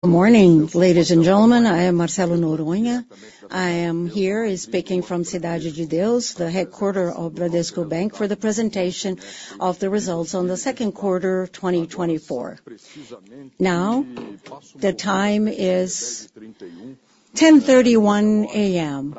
...Good morning, ladies and gentlemen. I am Marcelo Noronha. I am here speaking from Cidade de Deus, the headquarters of Bradesco Bank, for the presentation of the results on the second quarter, 2024. Now, the time is 10:31 A.M.,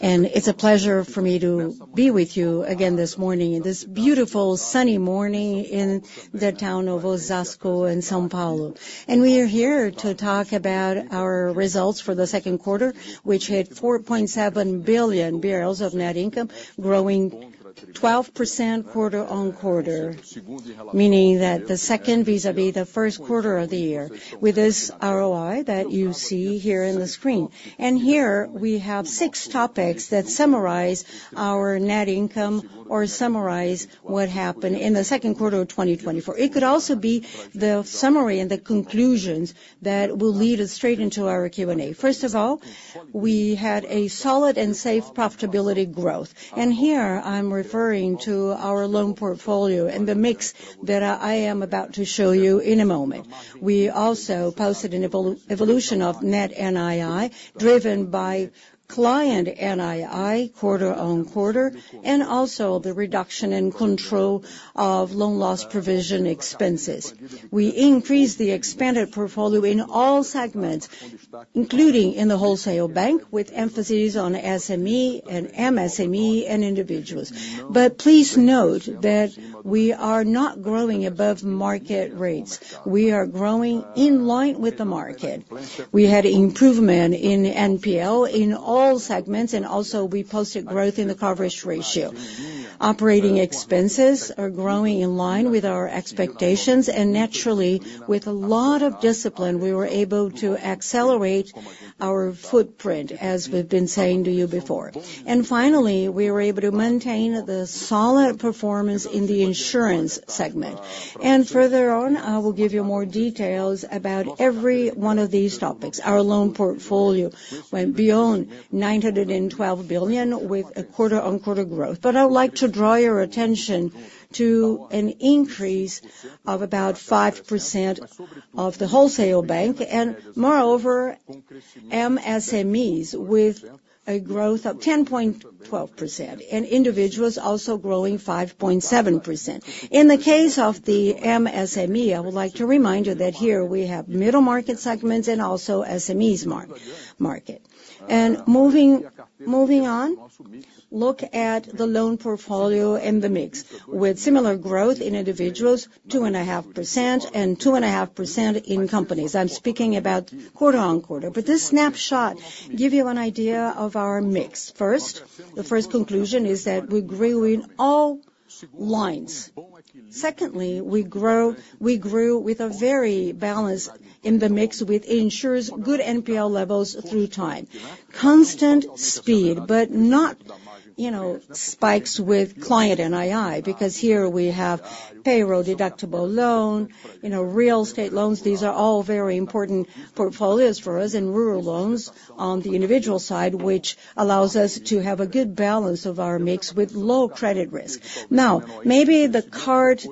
and it's a pleasure for me to be with you again this morning, in this beautiful, sunny morning in the town of Osasco in São Paulo. We are here to talk about our results for the second quarter, which hit 4.7 billion of net income, growing 12% quarter-on-quarter. Meaning that the second, vis-à-vis the first quarter of the year, with this ROI that you see here in the screen. Here we have six topics that summarize our net income or summarize what happened in the second quarter of 2024. It could also be the summary and the conclusions that will lead us straight into our Q&A. First of all, we had a solid and safe profitability growth, and here I'm referring to our loan portfolio and the mix that I am about to show you in a moment. We also posted an evolution of net NII, driven by client NII quarter-on-quarter, and also the reduction in control of loan loss provision expenses. We increased the expanded portfolio in all segments, including in the wholesale bank, with emphasis on SME and MSME, and individuals. But please note that we are not growing above market rates. We are growing in line with the market. We had improvement in NPL in all segments, and also we posted growth in the coverage ratio. Operating expenses are growing in line with our expectations, and naturally, with a lot of discipline, we were able to accelerate our footprint, as we've been saying to you before. And finally, we were able to maintain the solid performance in the insurance segment. And further on, I will give you more details about every one of these topics. Our loan portfolio went beyond 912 billion with a quarter-on-quarter growth. But I would like to draw your attention to an increase of about 5% of the wholesale bank, and moreover, MSMEs, with a growth of 10.12%, and individuals also growing 5.7%. In the case of the MSME, I would like to remind you that here we have middle market segments and also SMEs middle-market. Moving, moving on, look at the loan portfolio and the mix, with similar growth in individuals, 2.5%, and 2.5% in companies. I'm speaking about quarter-on-quarter. But this snapshot give you an idea of our mix. First, the first conclusion is that we're growing all lines. Secondly, we grow... We grew with a very balance in the mix, which ensures good NPL levels through time. Constant speed, but not, you know, spikes with client NII, because here we have payroll-deductible loan, you know, real estate loans, these are all very important portfolios for us, and rural loans on the individual side, which allows us to have a good balance of our mix with low credit risk. Now, maybe the card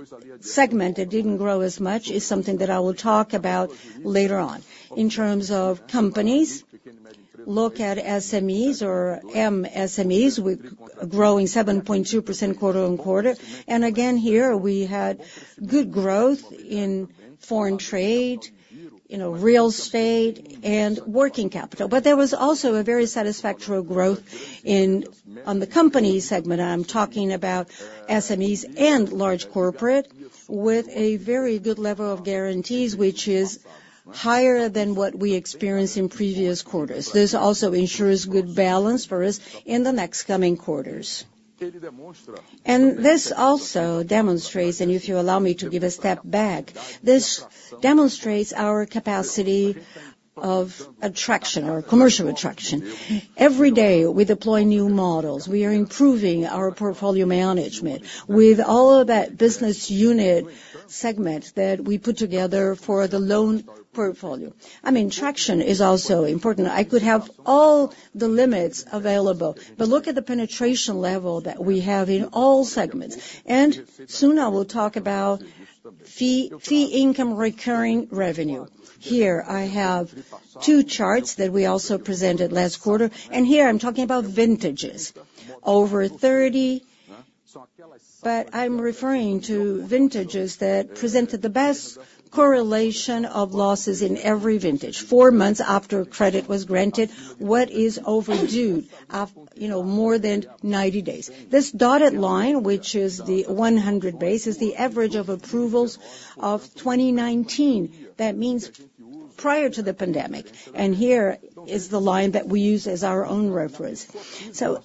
segment that didn't grow as much is something that I will talk about later on. In terms of companies, look at SMEs or MSMEs, with growing 7.2% quarter-on-quarter. And again, here, we had good growth in foreign trade, you know, real estate and working capital. But there was also a very satisfactory growth in, on the company segment. I'm talking about SMEs and large corporate, with a very good level of guarantees, which is higher than what we experienced in previous quarters. This also ensures good balance for us in the next coming quarters. And this also demonstrates, and if you allow me to give a step back, this demonstrates our capacity of attraction or commercial attraction. Every day, we deploy new models. We are improving our portfolio management with all of that business unit segments that we put together for the loan portfolio. I mean, traction is also important. I could have all the limits available, but look at the penetration level that we have in all segments. And soon, I will talk about fee, fee income recurring revenue. Here, I have two charts that we also presented last quarter, and here I'm talking about vintages over 30, but I'm referring to vintages that presented the best correlation of losses in every vintage. Four months after credit was granted, what is overdue af- you know, more than 90 days? This dotted line, which is the 100 base, is the average of approvals of 2019. That means prior to the pandemic, and here is the line that we use as our own reference. So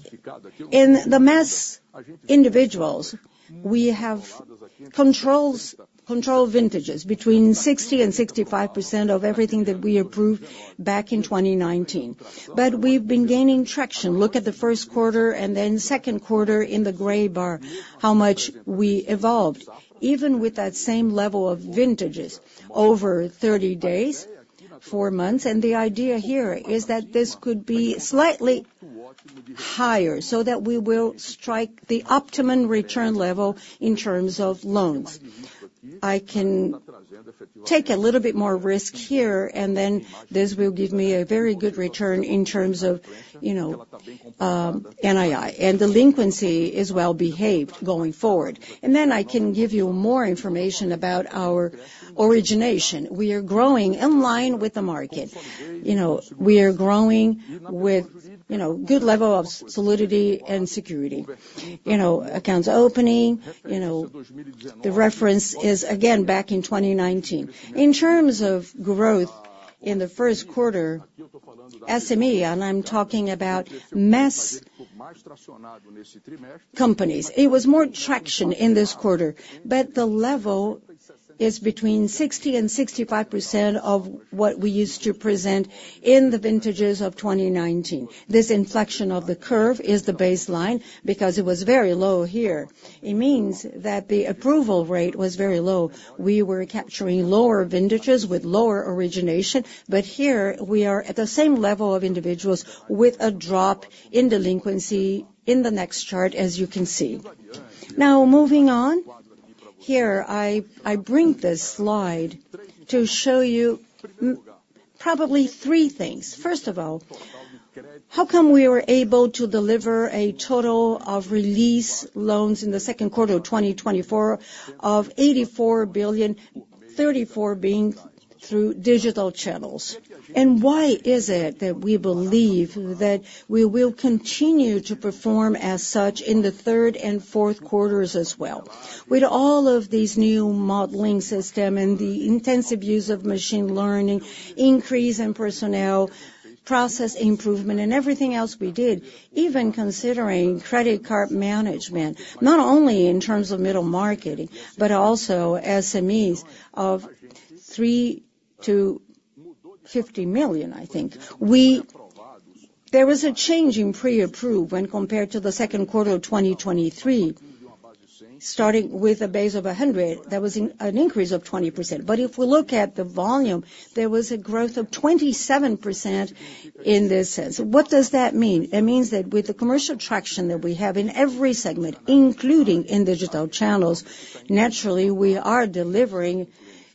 in the mass individuals, we have controls, control vintages between 60%-65% of everything that we approved back in 2019. But we've been gaining traction. Look at the first quarter and then second quarter in the gray bar, how much we evolved, even with that same level of vintages over 30 days, 4 months. The idea here is that this could be slightly higher, so that we will strike the optimum return level in terms of loans. I can take a little bit more risk here, and then this will give me a very good return in terms of, you know, NII, and delinquency is well behaved going forward. Then I can give you more information about our origination. We are growing in line with the market. You know, we are growing with, you know, good level of solidity and security. You know, accounts opening, you know, the reference is, again, back in 2019. In terms of growth in the first quarter, SME, and I'm talking about mass companies, it was more traction in this quarter, but the level is between 60%-65% of what we used to present in the vintages of 2019. This inflection of the curve is the baseline, because it was very low here. It means that the approval rate was very low. We were capturing lower vintages with lower origination, but here we are at the same level of individuals with a drop in delinquency in the next chart, as you can see. Now, moving on, here, I bring this slide to show you probably three things. First of all, how come we were able to deliver a total of release loans in the second quarter of 2024 of 84 billion, 34 billion being through digital channels? Why is it that we believe that we will continue to perform as such in the third and fourth quarters as well? With all of these new modeling system and the intensive use of machine learning, increase in personnel, process improvement, and everything else we did, even considering credit card management, not only in terms of Middle Market, but also SMEs of 3 million-50 million, I think. There was a change in pre-approve when compared to the second quarter of 2023. Starting with a base of 100, there was an increase of 20%. But if we look at the volume, there was a growth of 27% in this sense. What does that mean? It means that with the commercial traction that we have in every segment, including in digital channels, naturally, we are delivering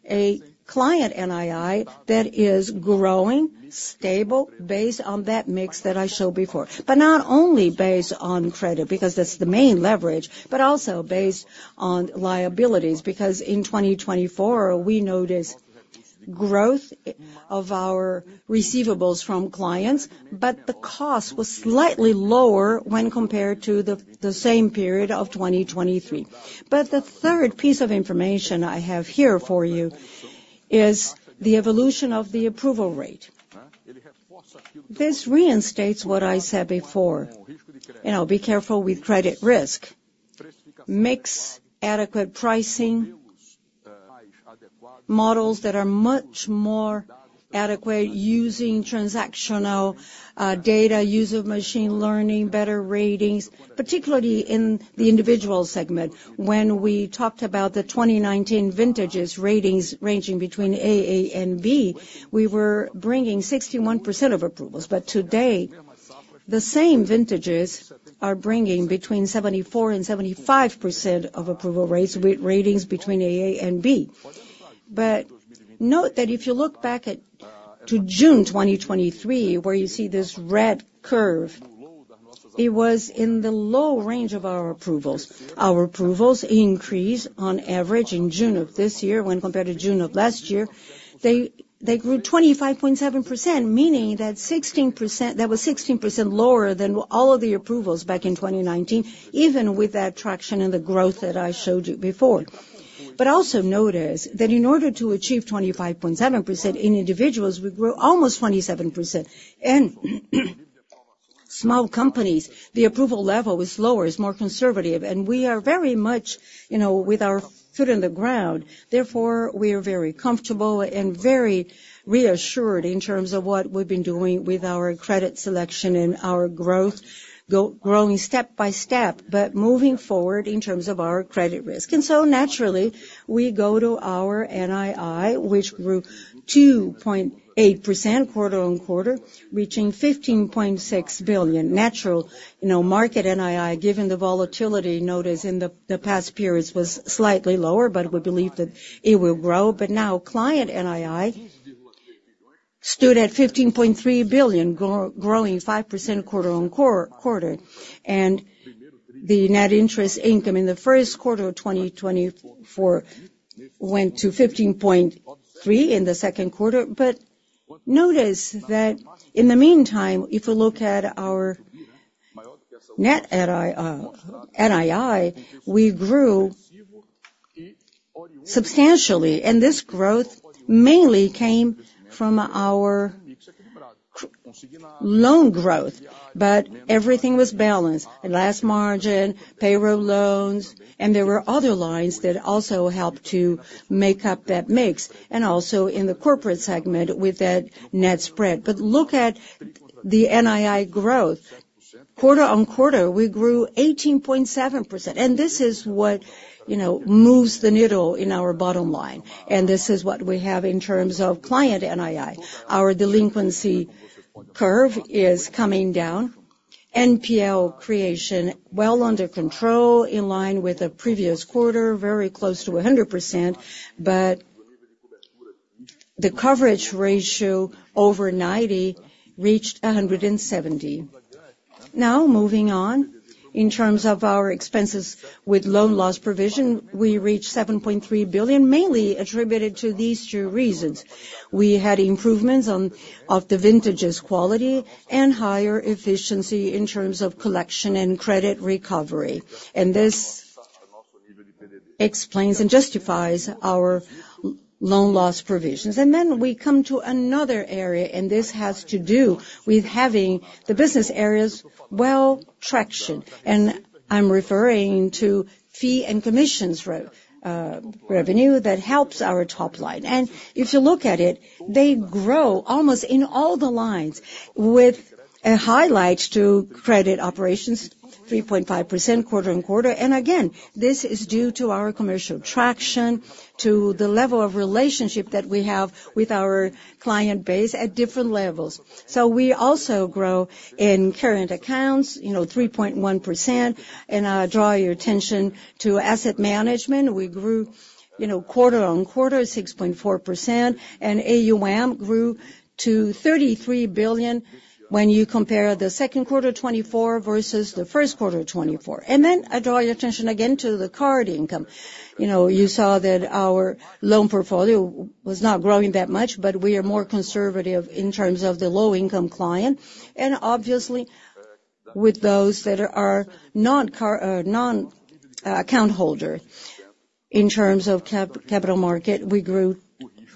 a client NII that is growing, stable, based on that mix that I showed before. But not only based on credit, because that's the main leverage, but also based on liabilities. Because in 2024, we noticed growth of our receivables from clients, but the cost was slightly lower when compared to the, the same period of 2023. But the third piece of information I have here for you is the evolution of the approval rate. This reinstates what I said before, and I'll be careful with credit risk. Mix adequate pricing, models that are much more adequate using transactional data, use of machine learning, better ratings, particularly in the individual segment. When we talked about the 2019 vintages ratings ranging between A,A and B, we were bringing 61% of approvals. But today, the same vintages are bringing between 74% and 75% of approval rates, with ratings between AA and B. But note that if you look back at, to June 2023, where you see this red curve, it was in the low range of our approvals. Our approvals increased on average in June of this year when compared to June of last year. They, they grew 25.7%, meaning that 16% - that was 16% lower than all of the approvals back in 2019, even with that traction and the growth that I showed you before. But also notice that in order to achieve 25.7% in individuals, we grew almost 27%. Small companies, the approval level is lower, is more conservative, and we are very much, you know, with our foot on the ground. Therefore, we are very comfortable and very reassured in terms of what we've been doing with our credit selection and our growth, growing step by step, but moving forward in terms of our credit risk. And so naturally, we go to our NII, which grew 2.8% quarter-on-quarter, reaching 15.6 billion. Naturally, you know, market NII, given the volatility notice in the, the past periods, was slightly lower, but we believe that it will grow. But now, client NII stood at 15.3 billion, growing 5% quarter-on-quarter, and the net interest income in the first quarter of 2024 went to 15.3 billion in the second quarter. But notice that in the meantime, if you look at our net NII, NII, we grew substantially, and this growth mainly came from our loan growth. But everything was balanced: last margin, payroll loans, and there were other lines that also helped to make up that mix, and also in the corporate segment with that net spread. But look at the NII growth. Quarter on quarter, we grew 18.7%, and this is what, you know, moves the needle in our bottom line, and this is what we have in terms of client NII. Our delinquency curve is coming down.... NPL creation well under control, in line with the previous quarter, very close to 100%, but the coverage ratio over 90 reached 170. Now, moving on. In terms of our expenses with loan loss provision, we reached 7.3 billion, mainly attributed to these two reasons: We had improvements on the vintages quality and higher efficiency in terms of collection and credit recovery, and this explains and justifies our loan loss provisions. And then we come to another area, and this has to do with having the business areas well traction, and I'm referring to fee and commissions revenue that helps our top line. And if you look at it, they grow almost in all the lines, with a highlight to credit operations, 3.5% quarter-on-quarter. And again, this is due to our commercial traction, to the level of relationship that we have with our client base at different levels. So we also grow in current accounts, you know, 3.1%. And I draw your attention to asset management. We grew, you know, quarter-on-quarter, 6.4%, and AUM grew to 33 billion when you compare the second quarter of 2024 versus the first quarter of 2024. And then I draw your attention again to the card income. You know, you saw that our loan portfolio was not growing that much, but we are more conservative in terms of the low-income client, and obviously, with those that are non-card, non-account holder. In terms of capital market, we grew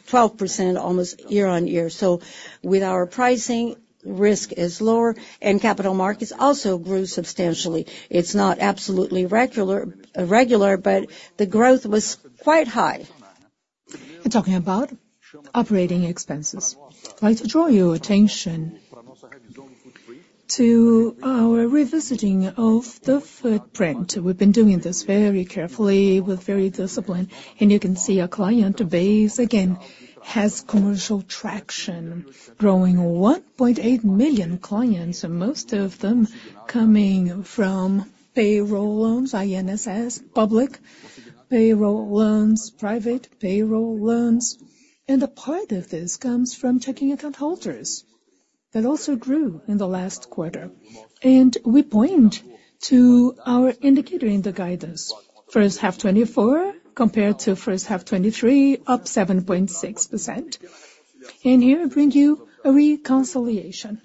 12% almost year-on-year. So with our pricing, risk is lower, and capital markets also grew substantially. It's not absolutely regular, but the growth was quite high. And talking about operating expenses, I'd like to draw your attention to our revisiting of the footprint. We've been doing this very carefully, with very disciplined, and you can see our client base, again, has commercial traction, growing 1.8 million clients, and most of them coming from payroll loans, INSS, public payroll loans, private payroll loans, and a part of this comes from checking account holders that also grew in the last quarter. And we point to our indicator in the guidance, first half 2024 compared to first half 2023, up 7.6%. And here, I bring you a reconciliation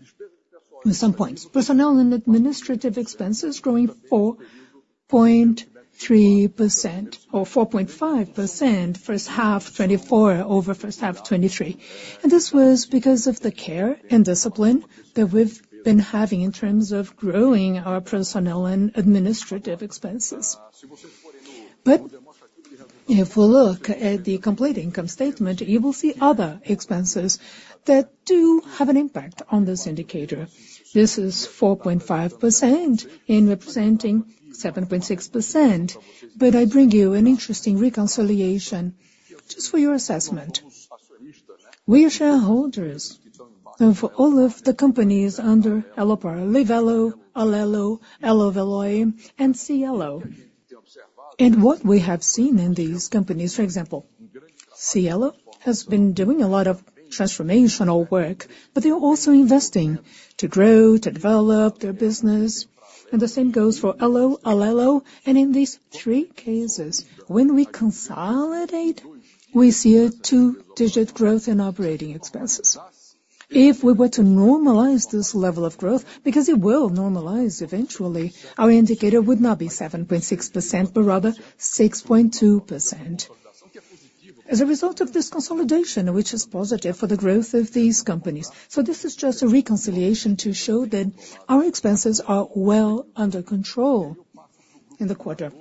on some points. Personnel and administrative expenses growing 4.3% or 4.5%, first half 2024 over first half 2023, and this was because of the care and discipline that we've been having in terms of growing our personnel and administrative expenses. But if we look at the complete income statement, you will see other expenses that do have an impact on this indicator. This is 4.5% and representing 7.6%, but I bring you an interesting reconciliation just for your assessment. We are shareholders of all of the companies under Elo, Livelo, Alelo, Veloe, and Cielo. And what we have seen in these companies, for example, Cielo has been doing a lot of transformational work, but they are also investing to grow, to develop their business, and the same goes for Elo, Alelo. In these three cases, when we consolidate, we see a two-digit growth in operating expenses. If we were to normalize this level of growth, because it will normalize eventually, our indicator would not be 7.6%, but rather 6.2%. As a result of this consolidation, which is positive for the growth of these companies, so this is just a reconciliation to show that our expenses are well under control in the quarter.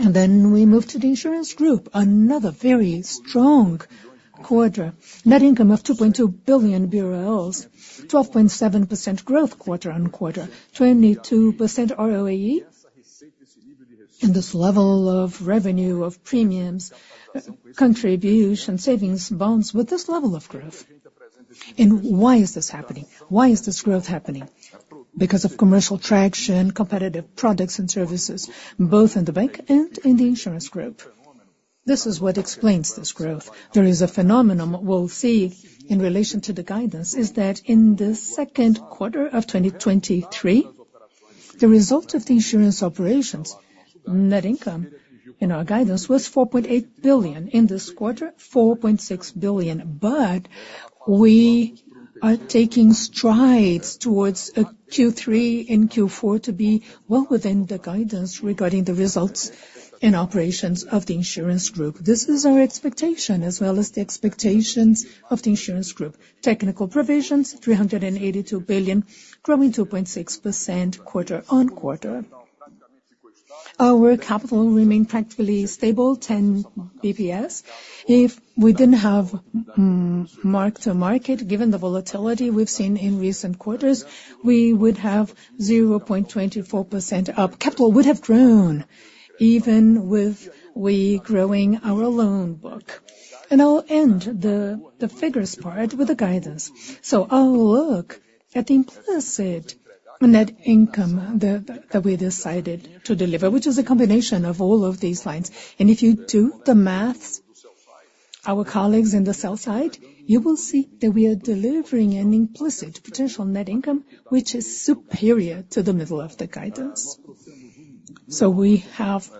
Then we move to the insurance group, another very strong quarter. Net income of 2.2 billion BRL, 12.7% growth quarter-on-quarter, 22% ROAE. In this level of revenue, of premiums, contribution, savings bonds with this level of growth. Why is this happening? Why is this growth happening? Because of commercial traction, competitive products and services, both in the bank and in the insurance group. This is what explains this growth. There is a phenomenon we'll see in relation to the guidance, is that in the second quarter of 2023, the result of the insurance operations, net income in our guidance was 4.8 billion. In this quarter, 4.6 billion. But we are taking strides towards a Q3 and Q4 to be well within the guidance regarding the results in operations of the insurance group. This is our expectation, as well as the expectations of the insurance group. Technical provisions, BRL 382 billion, growing 2.6% quarter-on-quarter. Our capital remained practically stable, 10 basis points. If we didn't have mark-to-market, given the volatility we've seen in recent quarters, we would have 0.24% up. Capital would have grown even with we growing our loan book. And I'll end the figures part with the guidance. So I'll look at the implicit net income that we decided to deliver, which is a combination of all of these lines. And if you do the math, our colleagues in the sell side, you will see that we are delivering an implicit potential net income, which is superior to the middle of the guidance. So we have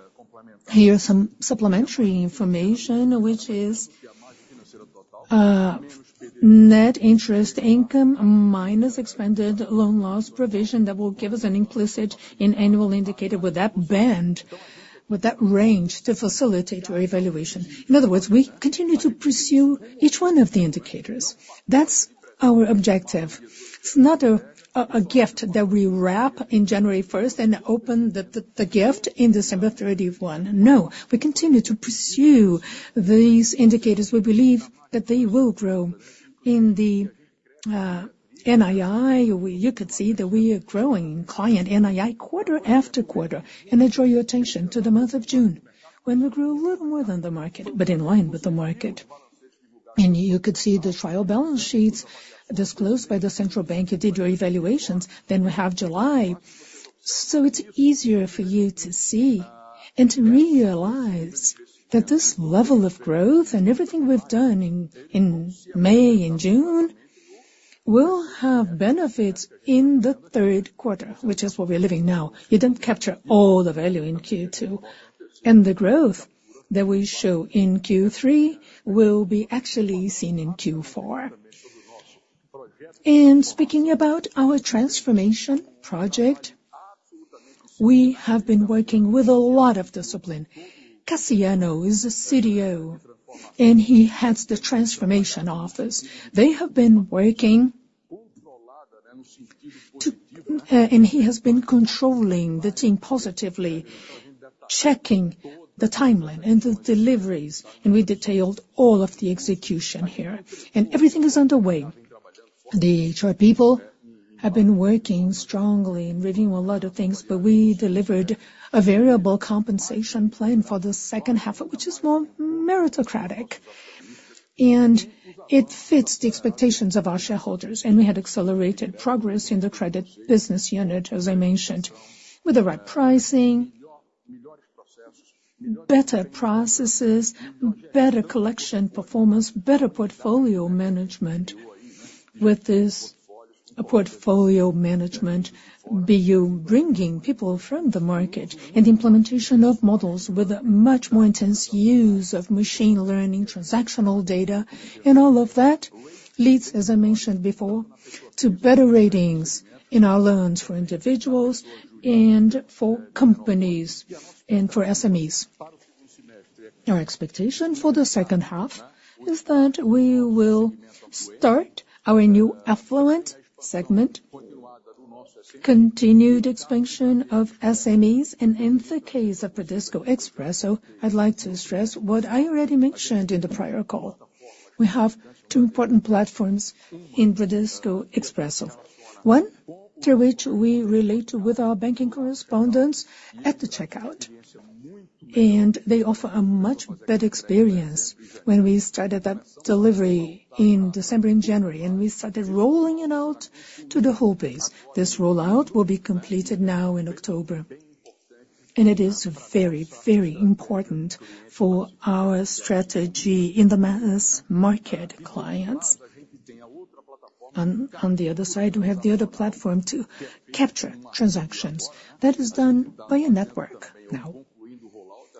here some supplementary information, which is net interest income minus expanded loan loss provision that will give us an implicit and annual indicator with that band, with that range, to facilitate your evaluation. In other words, we continue to pursue each one of the indicators. That's our objective. It's not a gift that we wrap in January 1st and open the gift in December 31. No, we continue to pursue these indicators. We believe that they will grow in the NII. You could see that we are growing in Client NII quarter after quarter. I draw your attention to the month of June, when we grew a little more than the market, but in line with the market. You could see the trial balance sheets disclosed by the central bank, it did your evaluations, then we have July. So it's easier for you to see and to realize that this level of growth and everything we've done in May and June, will have benefits in the third quarter, which is what we're living now. You don't capture all the value in Q2, and the growth that we show in Q3 will be actually seen in Q4. Speaking about our transformation project, we have been working with a lot of discipline. Cassiano is a CDO, and he heads the transformation office. They have been working to... and he has been controlling the team positively, checking the timeline and the deliveries, and we detailed all of the execution here. Everything is underway. The HR people have been working strongly and reviewing a lot of things, but we delivered a variable compensation plan for the second half, which is more meritocratic, and it fits the expectations of our shareholders. We had accelerated progress in the credit business unit, as I mentioned, with the right pricing, better processes, better collection performance, better portfolio management. With this, a portfolio management by bringing people from the market and implementation of models with a much more intense use of machine learning, transactional data, and all of that leads, as I mentioned before, to better ratings in our loans for individuals and for companies and for SMEs. Our expectation for the second half is that we will start our new affluent segment, continued expansion of SMEs. And in the case of Bradesco Expresso, I'd like to stress what I already mentioned in the prior call. We have two important platforms in Bradesco Expresso. One, through which we relate with our banking correspondents at the checkout, and they offer a much better experience when we started that delivery in December and January, and we started rolling it out to the whole base. This rollout will be completed now in October, and it is very, very important for our strategy in the mass market clients. On the other side, we have the other platform to capture transactions. That is done by a network now.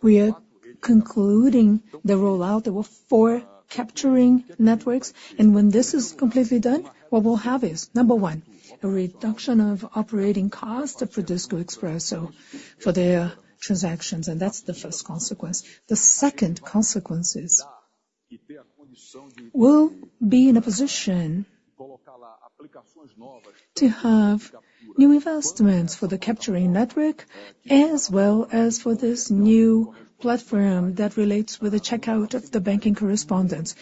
We are concluding the rollout. There were four capturing networks, and when this is completely done, what we'll have is, number one, a reduction of operating costs to Bradesco Expresso for their transactions, and that's the first consequence. The second consequence is, we'll be in a position to have new investments for the capturing network, as well as for this new platform that relates with the checkout of the banking correspondents.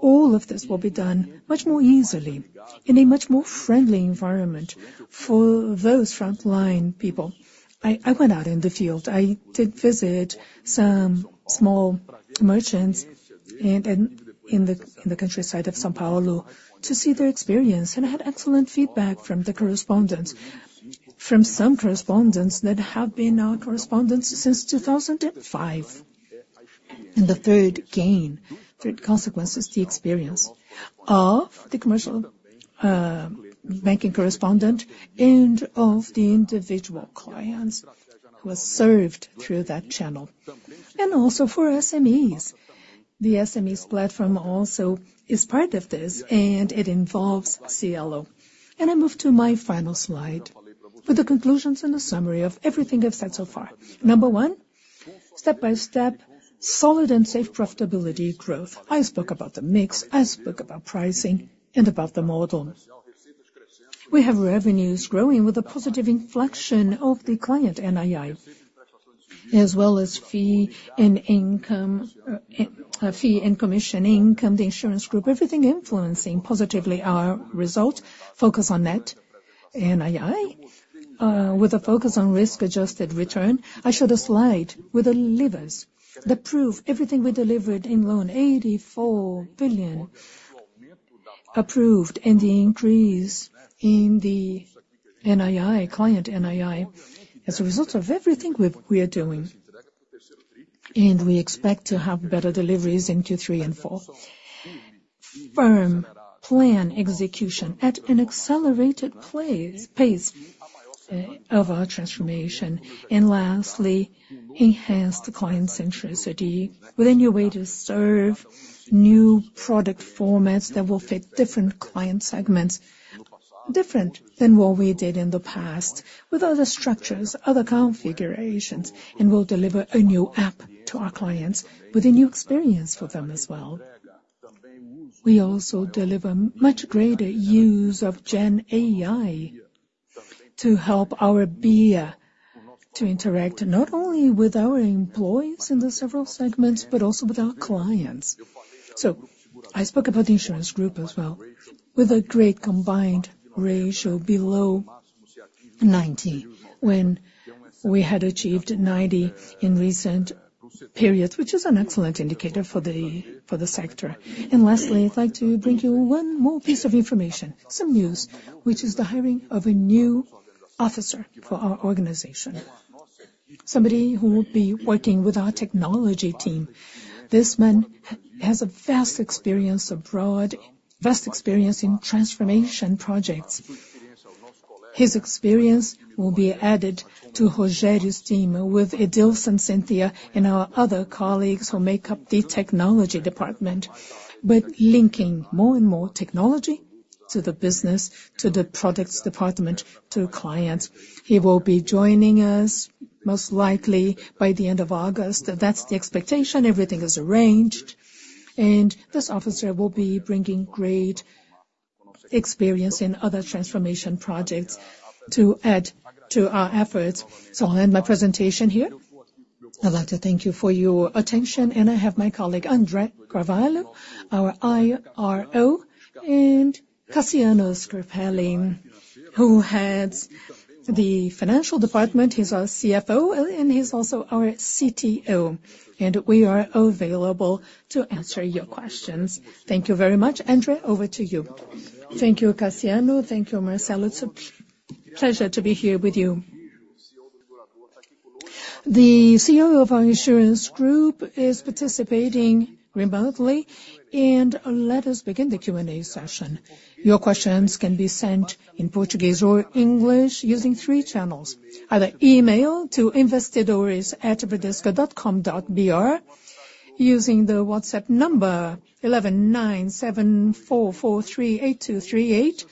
All of this will be done much more easily in a much more friendly environment for those front line people. I went out in the field. I did visit some small merchants and in the countryside of São Paulo to see their experience, and I had excellent feedback from the correspondents, from some correspondents that have been our correspondents since 2005. The third gain, third consequence, is the experience of the commercial banking correspondent and of the individual clients who are served through that channel. Also for SMEs. The SMEs platform also is part of this, and it involves Cielo. I move to my final slide with the conclusions and the summary of everything I've said so far. Number one, step by step, solid and safe profitability growth. I spoke about the mix, I spoke about pricing and about the model. We have revenues growing with a positive inflection of the client NII, as well as fee and income, fee and commission income, the insurance group, everything influencing positively our result, focus on net NII, with a focus on risk-adjusted return. I showed a slide with the levers that prove everything we delivered in loan, 84 billion approved, and the increase in the NII, client NII, as a result of everything we are doing, and we expect to have better deliveries in Q3 and Q4. Firm plan execution at an accelerated pace of our transformation. And lastly, enhance the client centricity with a new way to serve new product formats that will fit different client segments, different than what we did in the past, with other structures, other configurations, and we'll deliver a new app to our clients, with a new experience for them as well. We also deliver much greater use of Gen AI to help our BIA, to interact not only with our employees in the several segments, but also with our clients. So I spoke about the insurance group as well, with a great combined ratio below 90, when we had achieved 90 in recent periods, which is an excellent indicator for the sector. Lastly, I'd like to bring you one more piece of information, some news, which is the hiring of a new officer for our organization. Somebody who will be working with our technology team. This man has a vast experience abroad, vast experience in transformation projects. His experience will be added to Rogério's team, with Edilson, Cinthia, and our other colleagues who make up the technology department, but linking more and more technology to the business, to the products department, to clients. He will be joining us, most likely, by the end of August. That's the expectation. Everything is arranged, and this officer will be bringing great experience in other transformation projects to add to our efforts. So I'll end my presentation here. I'd like to thank you for your attention, and I have my colleague, André Carvalho, our IRO, and Cassiano Scarpelli, who heads the financial department. He's our CFO, and he's also our CTO, and we are available to answer your questions. Thank you very much. André, over to you. Thank you, Cassiano. Thank you, Marcelo. It's a pleasure to be here with you. The CEO of our insurance group is participating remotely, and let us begin the Q&A session. Your questions can be sent in Portuguese or English, using three channels: either email to investidores@bradesco.com.br, using the WhatsApp number 11 97443-8238,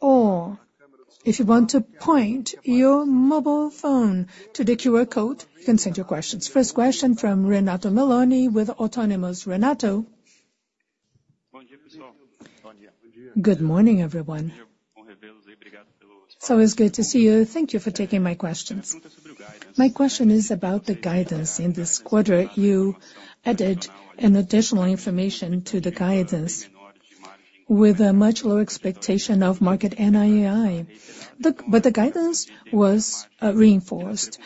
or if you want to point your mobile phone to the QR code, you can send your questions. First question from Renato Milani with Autonomous. Renato? Good morning, everyone. So it's good to see you. Thank you for taking my questions. My question is about the guidance. In this quarter, you added an additional information to the guidance, with a much lower expectation of market NII. But the guidance was reinforced,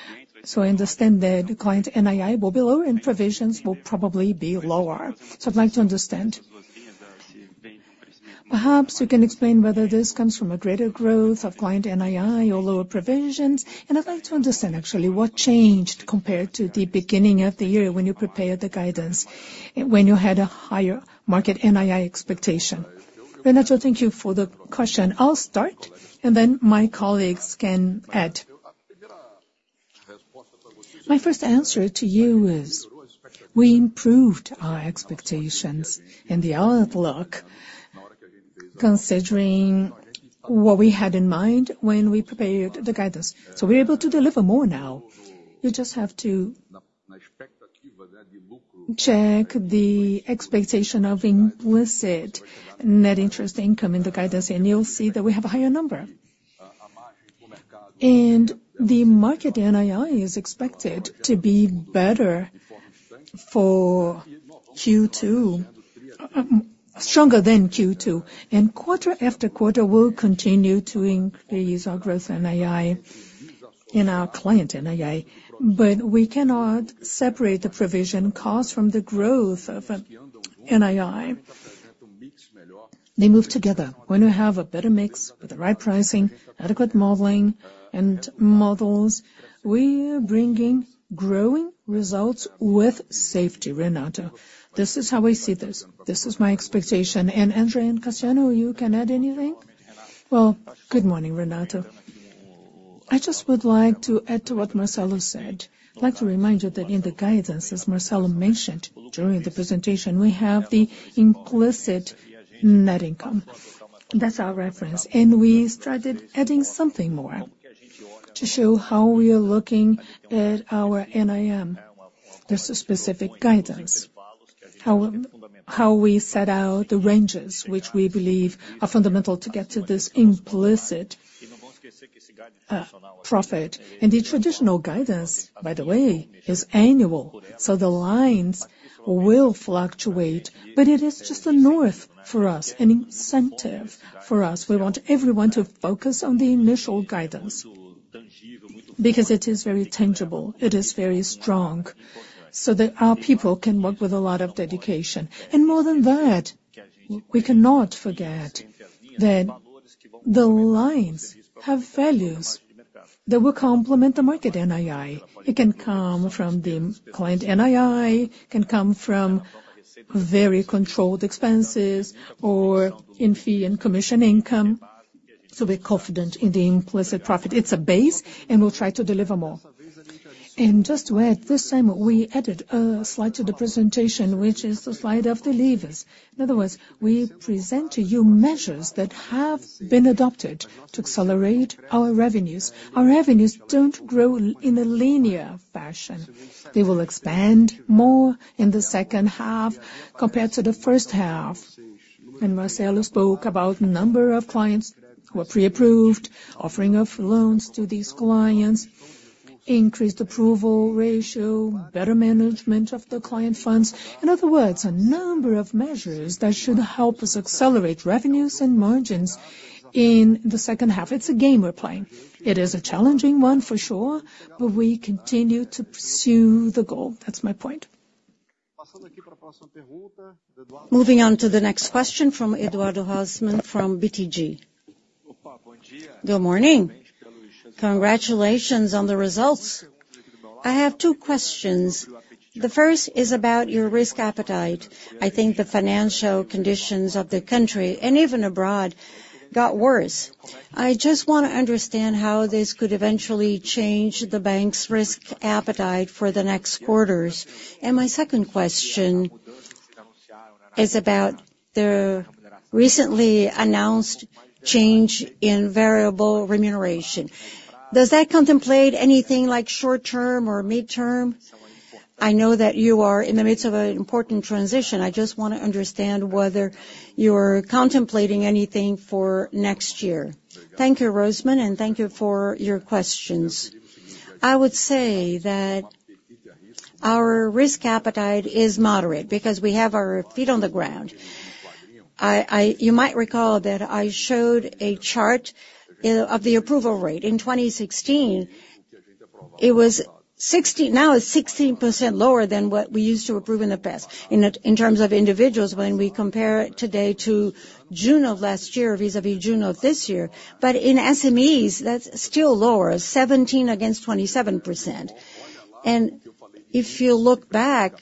so I understand that client NII will be lower, and provisions will probably be lower. So I'd like to understand. Perhaps you can explain whether this comes from a greater growth of client NII or lower provisions, and I'd like to understand actually what changed compared to the beginning of the year when you prepared the guidance, when you had a higher market NII expectation. Renato, thank you for the question. I'll start, and then my colleagues can add. My first answer to you is, we improved our expectations and the outlook, considering what we had in mind when we prepared the guidance. So we're able to deliver more now. You just have to check the expectation of implicit net interest income in the guidance, and you'll see that we have a higher number. And the market NII is expected to be better for Q2, stronger than Q2. Quarter after quarter, we'll continue to increase our growth NII and our client NII, but we cannot separate the provision cost from the growth of NII. They move together. When we have a better mix with the right pricing, adequate modeling and models, we are bringing growing results with safety, Renato. This is how I see this. This is my expectation. André and Cassiano, you can add anything? Well, good morning, Renato. I just would like to add to what Marcelo said. I'd like to remind you that in the guidance, as Marcelo mentioned during the presentation, we have the implicit net income. That's our reference, and we started adding something more to show how we are looking at our NIM. There's a specific guidance, how we set out the ranges, which we believe are fundamental to get to this implicit profit. The traditional guidance, by the way, is annual, so the lines will fluctuate, but it is just a north for us, an incentive for us. We want everyone to focus on the initial guidance. ...Because it is very tangible, it is very strong, so that our people can work with a lot of dedication. And more than that, we cannot forget that the lines have values that will complement the Market NII. It can come from the Client NII, it can come from very controlled expenses or in fee and commission income. So we're confident in the implicit profit. It's a base, and we'll try to deliver more. And just to add, this time, we added a slide to the presentation, which is the slide of the levers. In other words, we present to you measures that have been adopted to accelerate our revenues. Our revenues don't grow in a linear fashion. They will expand more in the second half compared to the first half. Marcelo spoke about number of clients who are pre-approved, offering of loans to these clients, increased approval ratio, better management of the client funds. In other words, a number of measures that should help us accelerate revenues and margins in the second half. It's a game we're playing. It is a challenging one for sure, but we continue to pursue the goal. That's my point. Moving on to the next question from Eduardo Rosman from BTG. Good morning. Congratulations on the results. I have two questions. The first is about your risk appetite. I think the financial conditions of the country and even abroad got worse. I just wanna understand how this could eventually change the bank's risk appetite for the next quarters. And my second question is about the recently announced change in variable remuneration. Does that contemplate anything like short-term or mid-term? I know that you are in the midst of an important transition. I just wanna understand whether you're contemplating anything for next year. Thank you, Rosman, and thank you for your questions. I would say that our risk appetite is moderate, because we have our feet on the ground. You might recall that I showed a chart of the approval rate. In 2016, it was 60%. Now it's 16% lower than what we used to approve in the past, in terms of individuals, when we compare today to June of last year vis-à-vis June of this year. But in SMEs, that's still lower, 17 against 27%. And if you look back,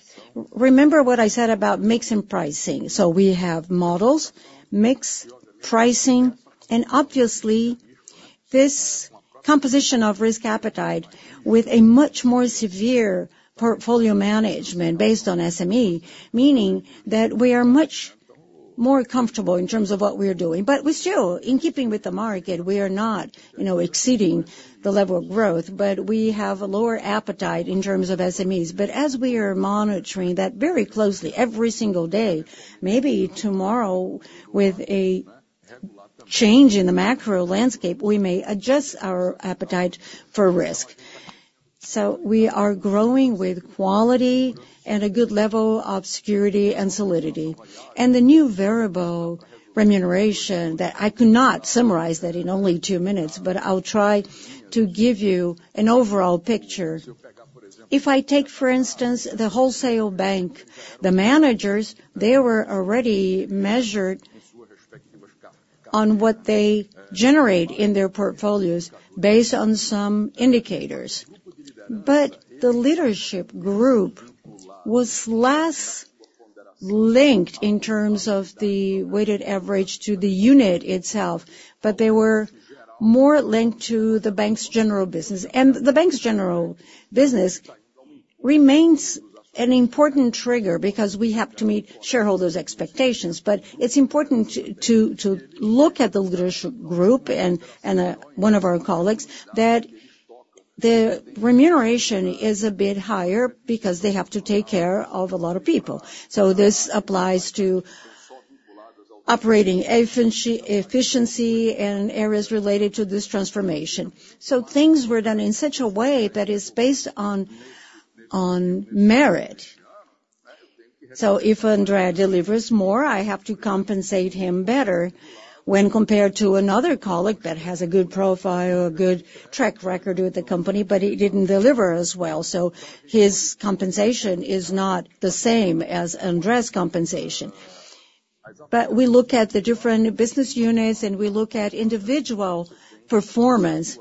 remember what I said about mix and pricing. So we have models, mix, pricing, and obviously, this composition of risk appetite with a much more severe portfolio management based on SME, meaning that we are much more comfortable in terms of what we are doing. But we're still in keeping with the market. We are not, you know, exceeding the level of growth, but we have a lower appetite in terms of SMEs. But as we are monitoring that very closely every single day, maybe tomorrow, with a change in the macro landscape, we may adjust our appetite for risk. So we are growing with quality and a good level of security and solidity. And the new variable remuneration that I could not summarize that in only two minutes, but I'll try to give you an overall picture. If I take, for instance, the wholesale bank, the managers, they were already measured on what they generate in their portfolios based on some indicators. But the leadership group was less linked in terms of the weighted average to the unit itself, but they were more linked to the bank's general business. And the bank's general business remains an important trigger, because we have to meet shareholders' expectations. But it's important to look at the leadership group and one of our colleagues, that the remuneration is a bit higher because they have to take care of a lot of people. So this applies to operating efficiency and areas related to this transformation. So things were done in such a way that is based on merit. So if Andrea delivers more, I have to compensate him better when compared to another colleague that has a good profile, a good track record with the company, but he didn't deliver as well. So his compensation is not the same as Andrea's compensation. But we look at the different business units, and we look at individual performance,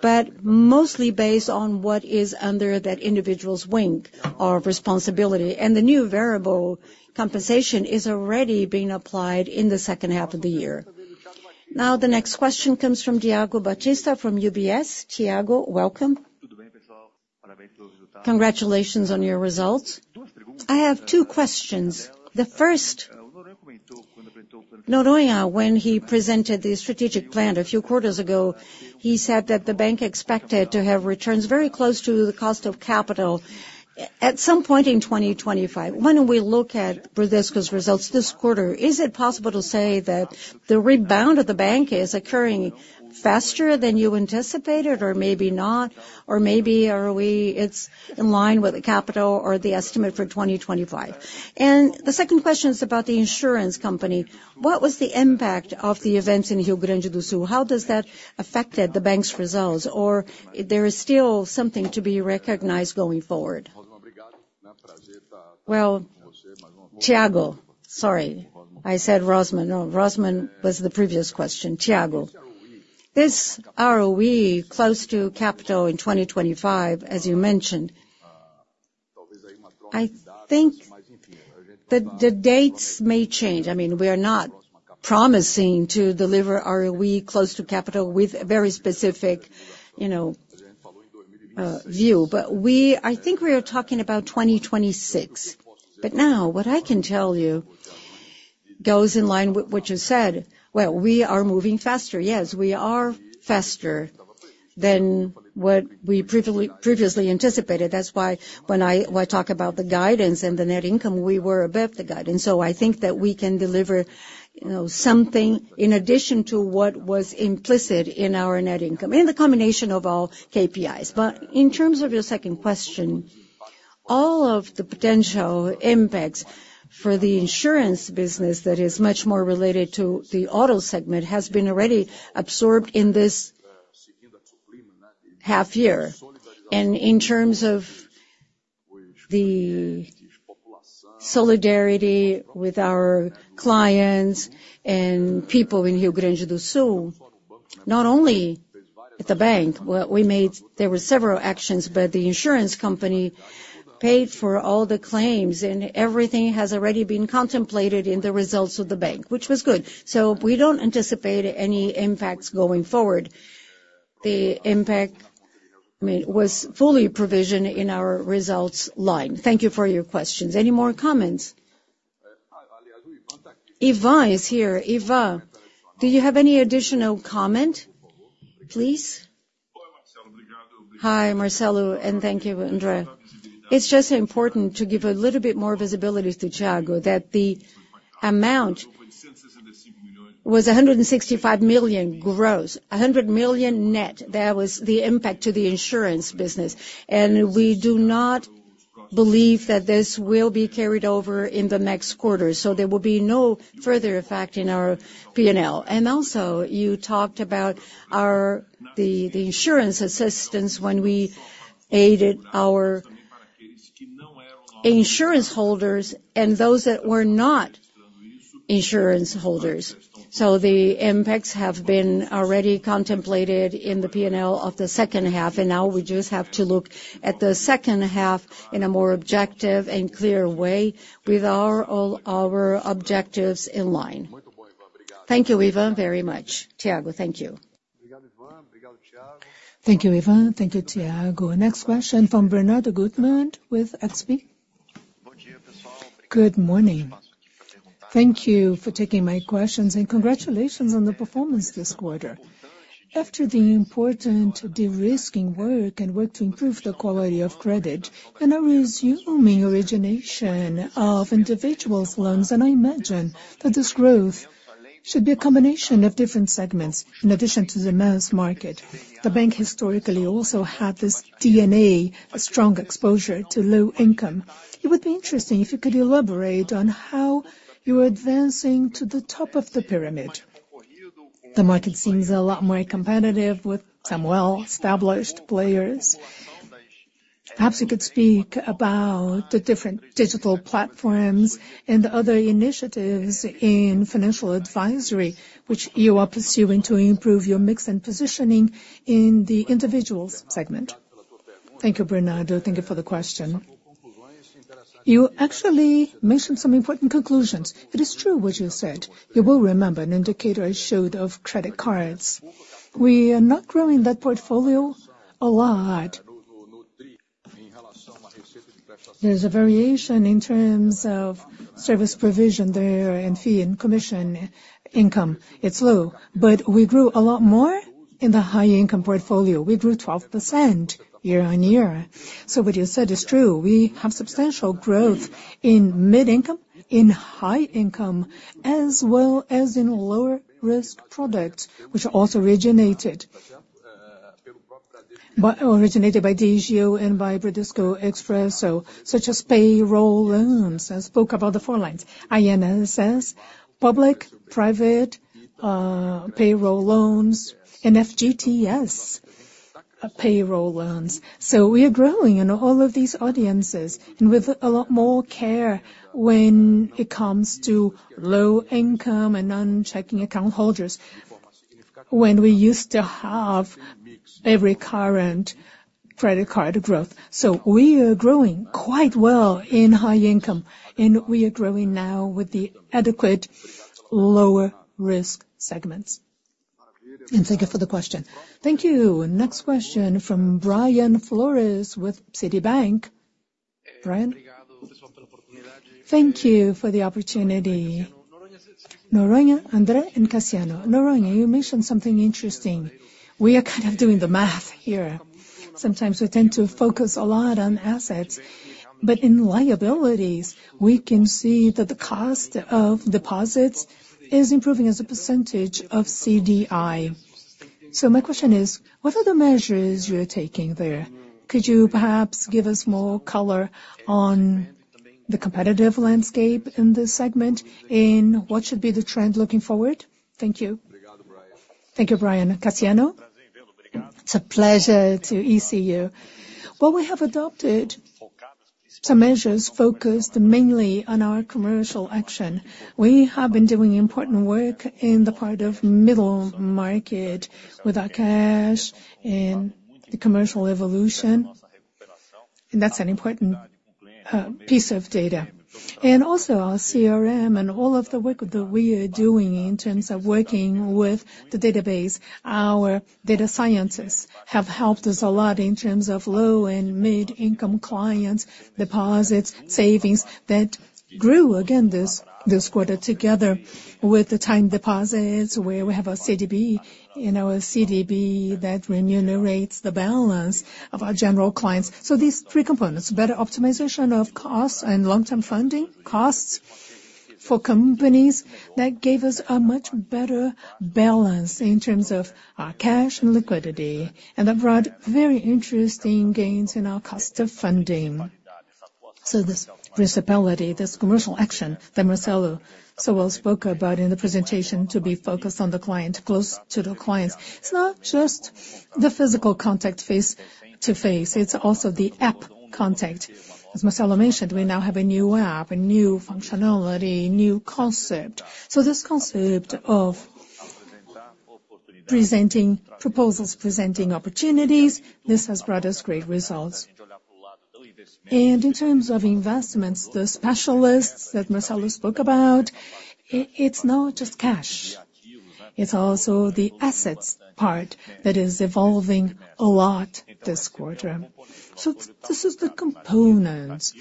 but mostly based on what is under that individual's wing or responsibility. And the new variable compensation is already being applied in the second half of the year. Now, the next question comes from Thiago Batista from UBS. Thiago, welcome. Congratulations on your results. I have two questions. The first, Noronha, when he presented the strategic plan a few quarters ago, he said that the bank expected to have returns very close to the cost of capital at some point in 2025. When we look at Bradesco's results this quarter, is it possible to say that the rebound of the bank is occurring faster than you anticipated, or maybe not? Or maybe are we, it's in line with the capital or the estimate for 2025? And the second question is about the insurance company. What was the impact of the events in Rio Grande do Sul? How does that affected the bank's results, or there is still something to be recognized going forward?... Well, Thiago, sorry, I said Rosman. No, Rosman was the previous question. Thiago, this ROE close to capital in 2025, as you mentioned, I think the, the dates may change. I mean, we are not promising to deliver ROE close to capital with a very specific, you know, view, but we, I think we are talking about 2026. But now what I can tell you goes in line with what you said. Well, we are moving faster. Yes, we are faster than what we previously anticipated. That's why when I talk about the guidance and the net income, we were above the guidance. So I think that we can deliver, you know, something in addition to what was implicit in our net income, and the combination of all KPIs. But in terms of your second question, all of the potential impacts for the insurance business, that is much more related to the auto segment, has been already absorbed in this half year. In terms of the solidarity with our clients and people in Rio Grande do Sul, not only at the bank, what we made, there were several actions, but the insurance company paid for all the claims, and everything has already been contemplated in the results of the bank, which was good. We don't anticipate any impacts going forward. The impact, I mean, was fully provisioned in our results line. Thank you for your questions. Any more comments? Ivan is here. Ivan, do you have any additional comment, please? Hi, Marcelo, and thank you, André. It's just important to give a little bit more visibility to Thiago that the amount was 165 million gross, 100 million net. That was the impact to the insurance business, and we do not believe that this will be carried over in the next quarter, so there will be no further effect in our PNL. And also, you talked about our—the, the insurance assistance when we aided our insurance holders and those that were not insurance holders. So the impacts have been already contemplated in the PNL of the second half, and now we just have to look at the second half in a more objective and clear way with our, all our objectives in line. Thank you, Ivan, very much. Thiago, thank you. Thank you, Ivan. Thank you, Thiago. Our next question from Bernardo Guimarães with XP. Good morning. Thank you for taking my questions, and congratulations on the performance this quarter. After the important de-risking work and work to improve the quality of credit, and are resuming origination of individuals loans, and I imagine that this growth should be a combination of different segments. In addition to the mass market, the bank historically also had this DNA, a strong exposure to low income. It would be interesting if you could elaborate on how you are advancing to the top of the pyramid. The market seems a lot more competitive with some well-established players. Perhaps you could speak about the different digital platforms and the other initiatives in financial advisory, which you are pursuing to improve your mix and positioning in the individuals segment. Thank you, Bernardo. Thank you for the question. You actually mentioned some important conclusions. It is true what you said. You will remember an indicator I showed of credit cards. We are not growing that portfolio a lot. There's a variation in terms of service provision there, and fee, and commission income. It's low, but we grew a lot more in the high income portfolio. We grew 12% year-on-year. So what you said is true. We have substantial growth in mid-income, in high income, as well as in lower risk products, which are also originated, but originated by Digio and by Bradesco Expresso, so such as payroll loans. I spoke about the four lines, INSS, public, private, payroll loans, and FGTS, payroll loans. So we are growing in all of these audiences and with a lot more care when it comes to low income and non-checking account holders, when we used to have every current credit card growth. So we are growing quite well in high income, and we are growing now with the adequate lower risk segments. And thank you for the question. Thank you. Next question from Brian Flores with Citi. Brian? Thank you for the opportunity. Noronha, André, and Cassiano. Noronha, you mentioned something interesting. We are kind of doing the math here. Sometimes we tend to focus a lot on assets, but in liabilities, we can see that the cost of deposits is improving as a percentage of CDI. So my question is: what are the measures you are taking there? Could you perhaps give us more color on the competitive landscape in this segment, and what should be the trend looking forward? Thank you.... Thank you, Brian. Cassiano? It's a pleasure to see you. Well, we have adopted some measures focused mainly on our commercial action. We have been doing important work in the part of middle market with our cash and the commercial evolution, and that's an important piece of data. And also, our CRM and all of the work that we are doing in terms of working with the database, our data scientists have helped us a lot in terms of low and mid-income clients, deposits, savings, that grew again this quarter, together with the time deposits, where we have a CDB, and our CDB that remunerates the balance of our general clients. So these three components, better optimization of costs and long-term funding costs for companies, that gave us a much better balance in terms of our cash and liquidity, and that brought very interesting gains in our cost of funding. So this primarily, this commercial action that Marcelo so well spoke about in the presentation, to be focused on the client, close to the clients. It's not just the physical contact face-to-face, it's also the app contact. As Marcelo mentioned, we now have a new app, a new functionality, new concept. So this concept of presenting proposals, presenting opportunities, this has brought us great results. And in terms of investments, the specialists that Marcelo spoke about, it's not just cash, it's also the assets part that is evolving a lot this quarter. So this is the components.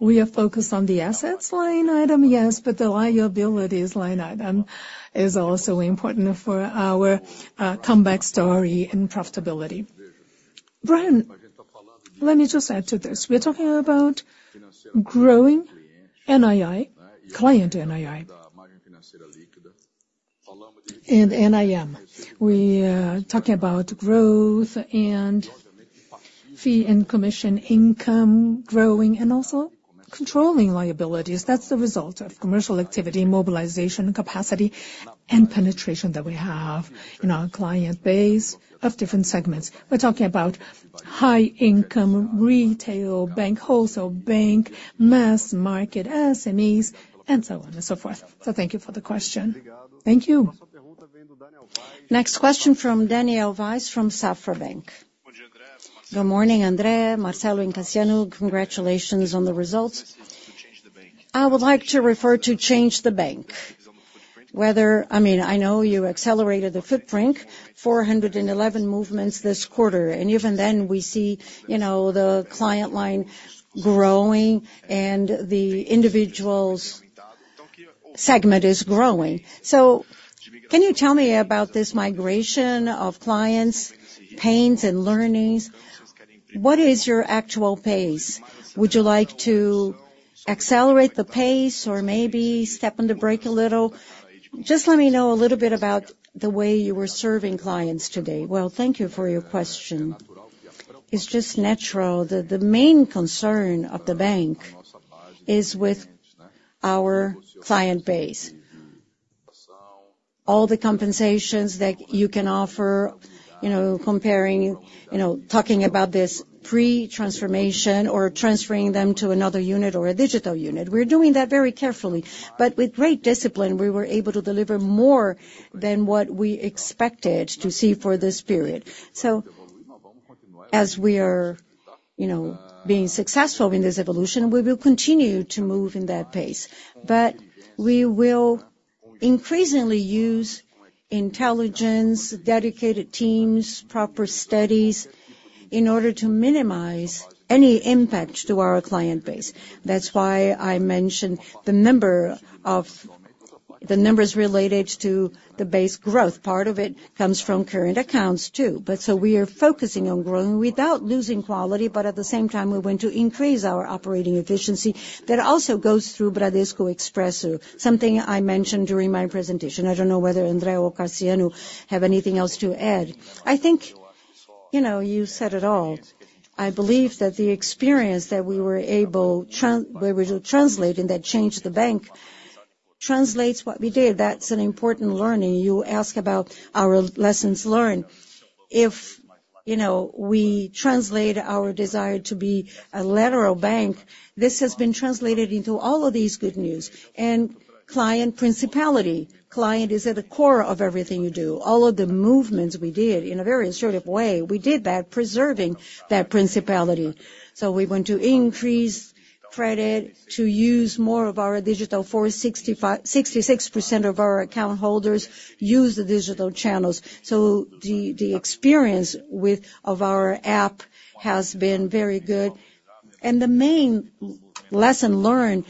We are focused on the assets line item, yes, but the liabilities line item is also important for our comeback story and profitability. Brian, let me just add to this. We're talking about growing NII, client NII, and NIM. We are talking about growth and fee and commission income growing, and also controlling liabilities. That's the result of commercial activity, mobilization capacity, and penetration that we have in our client base of different segments. We're talking about high income, retail, bank wholesale, bank mass market, SMEs, and so on and so forth. So thank you for the question. Thank you. Next question from Daniel Vaz from Banco Safra. Good morning, André, Marcelo, and Cassiano. Congratulations on the results. I would like to refer to Change the Bank, whether... I mean, I know you accelerated the footprint, 411 movements this quarter, and even then, we see, you know, the client line growing and the individuals segment is growing. So can you tell me about this migration of clients, pains, and learnings? What is your actual pace? Would you like to accelerate the pace or maybe step on the brake a little? Just let me know a little bit about the way you are serving clients today. Well, thank you for your question. It's just natural that the main concern of the bank is with our client base. All the compensations that you can offer, you know, comparing, you know, talking about this pre-transformation or transferring them to another unit or a digital unit, we're doing that very carefully. But with great discipline, we were able to deliver more than what we expected to see for this period. So as we are, you know, being successful in this evolution, we will continue to move in that pace. But we will increasingly use intelligence, dedicated teams, proper studies, in order to minimize any impact to our client base. That's why I mentioned the numbers related to the base growth. Part of it comes from current accounts, too. We are focusing on growing without losing quality, but at the same time, we want to increase our operating efficiency. That also goes through Bradesco Expresso, something I mentioned during my presentation. I don't know whether André or Cassiano have anything else to add. I think, you know, you said it all. I believe that the experience that we were able to translate in that Change the Bank translates what we did. That's an important learning. You ask about our lessons learned. If, you know, we translate our desire to be a retail bank, this has been translated into all of these good news and client principle. Client is at the core of everything you do. All of the movements we did, in a very assertive way, we did that preserving that principle. So we want to increase credit, to use more of our digital force, 66% of our account holders use the digital channels, so the experience of our app has been very good. And the main lesson learned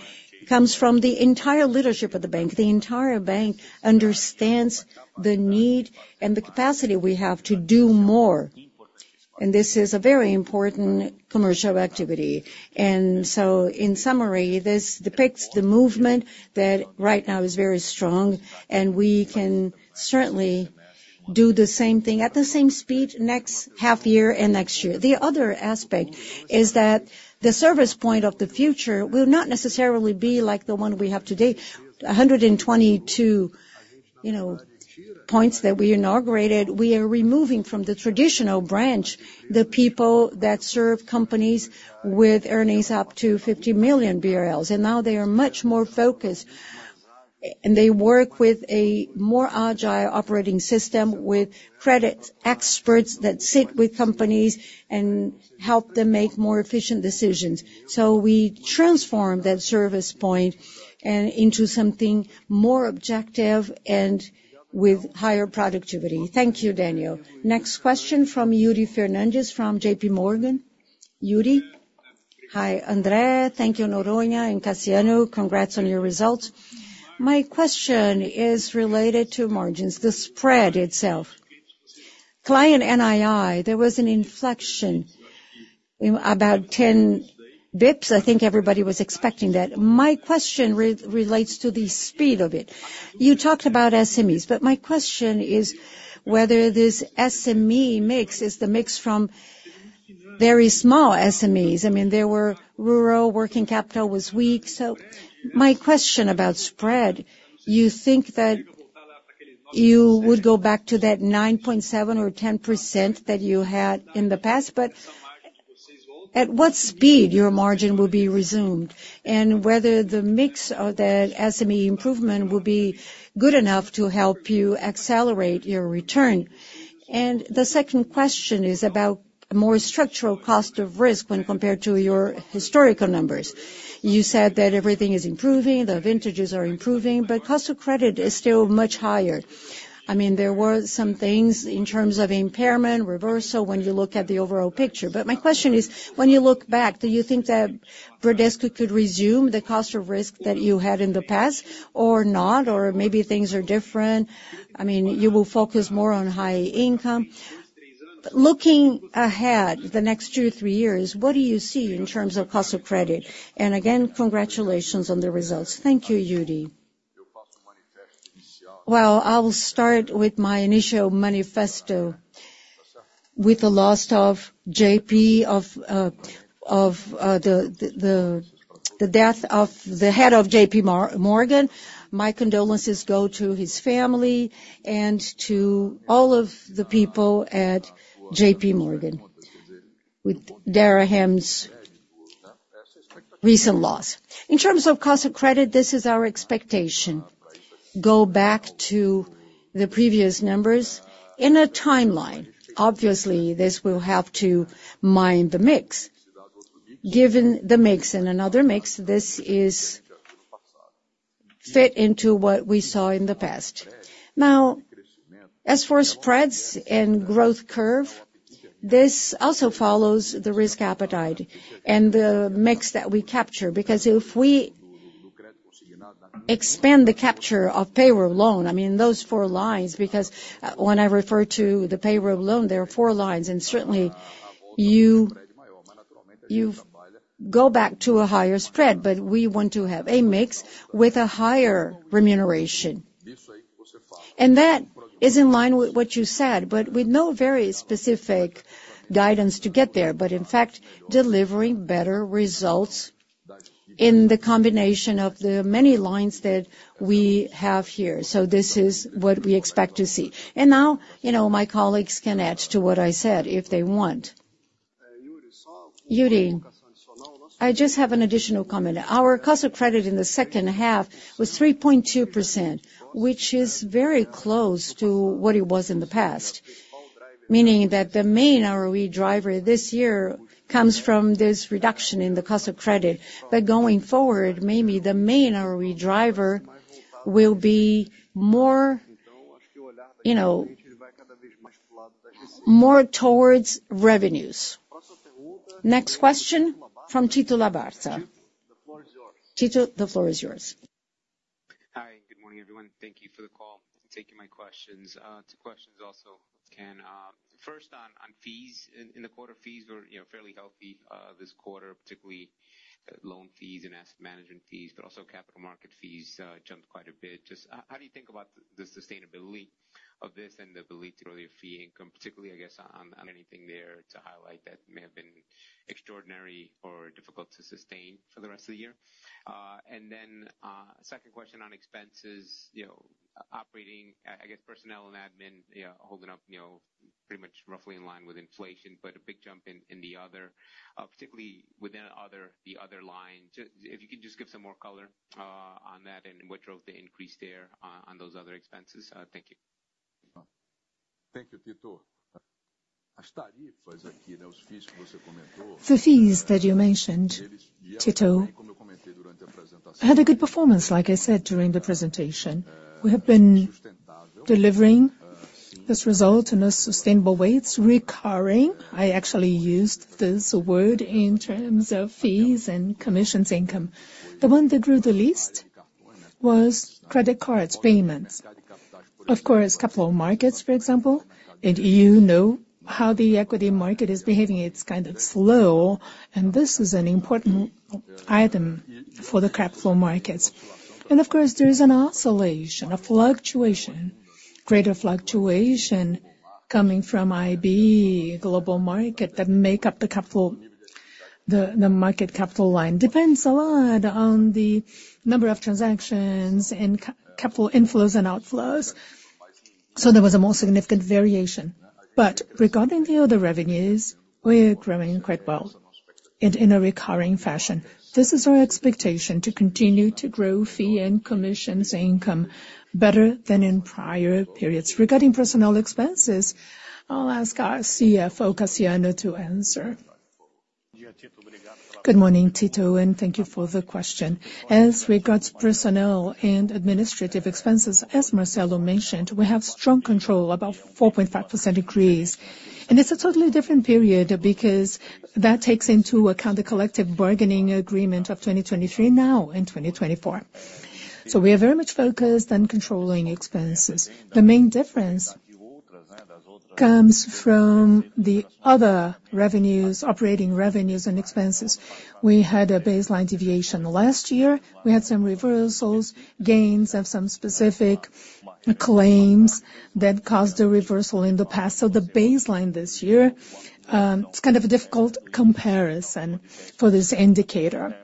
comes from the entire leadership of the bank. The entire bank understands the need and the capacity we have to do more, and this is a very important commercial activity. And so, in summary, this depicts the movement that right now is very strong, and we can certainly do the same thing at the same speed next half year and next year. The other aspect is that the service point of the future will not necessarily be like the one we have today. 122-... you know, points that we inaugurated, we are removing from the traditional branch, the people that serve companies with earnings up to 50 million BRL, and now they are much more focused, and they work with a more agile operating system, with credit experts that sit with companies and help them make more efficient decisions. So we transform that service point into something more objective and with higher productivity. Thank you, Daniel. Next question from Yuri Fernandes, from J.P. Morgan. Yuri? Hi, André. Thank you, Noronha and Cassiano. Congrats on your results. My question is related to margins, the spread itself. Client NII, there was an inflection, about 10 bps. I think everybody was expecting that. My question relates to the speed of it. You talked about SMEs, but my question is whether this SME mix is the mix from very small SMEs? I mean, the rural working capital was weak. So my question about spread: you think that you would go back to that 9.7% or 10% that you had in the past? But at what speed your margin will be resumed, and whether the mix of that SME improvement will be good enough to help you accelerate your return? And the second question is about more structural cost of risk when compared to your historical numbers. You said that everything is improving, the vintages are improving, but cost of credit is still much higher. I mean, there were some things in terms of impairment, reversal, when you look at the overall picture. But my question is, when you look back, do you think that Bradesco could resume the cost of risk that you had in the past or not? Or maybe things are different, I mean, you will focus more on high income. Looking ahead the next 2-3 years, what do you see in terms of cost of credit? And again, congratulations on the results. Thank you, Yuri. Well, I'll start with my initial manifesto. With the loss of J.P. Morgan, the death of the head of J.P. Morgan, my condolences go to his family and to all of the people at J.P. Morgan, with Darahem's recent loss. In terms of cost of credit, this is our expectation: go back to the previous numbers in a timeline. Obviously, this will have to mind the mix. Given the mix and another mix, this is fit into what we saw in the past. Now, as for spreads and growth curve, this also follows the risk appetite and the mix that we capture. Because if we expand the capture of payroll loan, I mean, those four lines, because when I refer to the payroll loan, there are four lines, and certainly, you go back to a higher spread, but we want to have a mix with a higher remuneration. And that is in line with what you said, but with no very specific guidance to get there, but in fact, delivering better results in the combination of the many lines that we have here. So this is what we expect to see. And now, you know, my colleagues can add to what I said, if they want. Yuri, I just have an additional comment. Our cost of credit in the second half was 3.2%, which is very close to what it was in the past. Meaning that the main ROE driver this year comes from this reduction in the cost of credit. But going forward, maybe the main ROE driver will be more, you know, more towards revenues. Next question from Tito Labarta. Tito, the floor is yours. Hi, good morning, everyone. Thank you for the call and taking my questions. Two questions also, if I can. First on fees. In the quarter, fees were, you know, fairly healthy this quarter, particularly loan fees and asset management fees, but also capital market fees jumped quite a bit. Just how do you think about the sustainability of this and the ability to grow your fee income, particularly, I guess, on anything there to highlight that may have been extraordinary or difficult to sustain for the rest of the year? And then, second question on expenses, you know, operating, I guess personnel and admin, yeah, holding up, you know, pretty much roughly in line with inflation, but a big jump in the other, particularly within other, the other line. Just if you could just give some more color on that and what drove the increase there on those other expenses. Thank you. Thank you, Tito. The fees that you mentioned, Tito, had a good performance, like I said during the presentation. We have been delivering this result in a sustainable way. It's recurring. I actually used this word in terms of fees and commissions income. The one that grew the least was credit cards, payments. Of course, capital markets, for example, and you know how the equity market is behaving. It's kind of slow, and this is an important item for the capital markets. And of course, there is an oscillation, a fluctuation-... greater fluctuation coming from IB global market that make up the capital, the market capital line. Depends a lot on the number of transactions and capital inflows and outflows, so there was a more significant variation. But regarding the other revenues, we're growing quite well, and in a recurring fashion. This is our expectation to continue to grow fee and commission income better than in prior periods. Regarding personnel expenses, I'll ask our CFO, Cassiano, to answer. Good morning, Tito, and thank you for the question. As regards personnel and administrative expenses, as Marcelo mentioned, we have strong control, about 4.5% increase. And it's a totally different period, because that takes into account the collective bargaining agreement of 2023 now in 2024. So we are very much focused on controlling expenses. The main difference comes from the other revenues, operating revenues and expenses. We had a baseline deviation last year. We had some reversals, gains of some specific claims that caused a reversal in the past. So the baseline this year, it's kind of a difficult comparison for this indicator.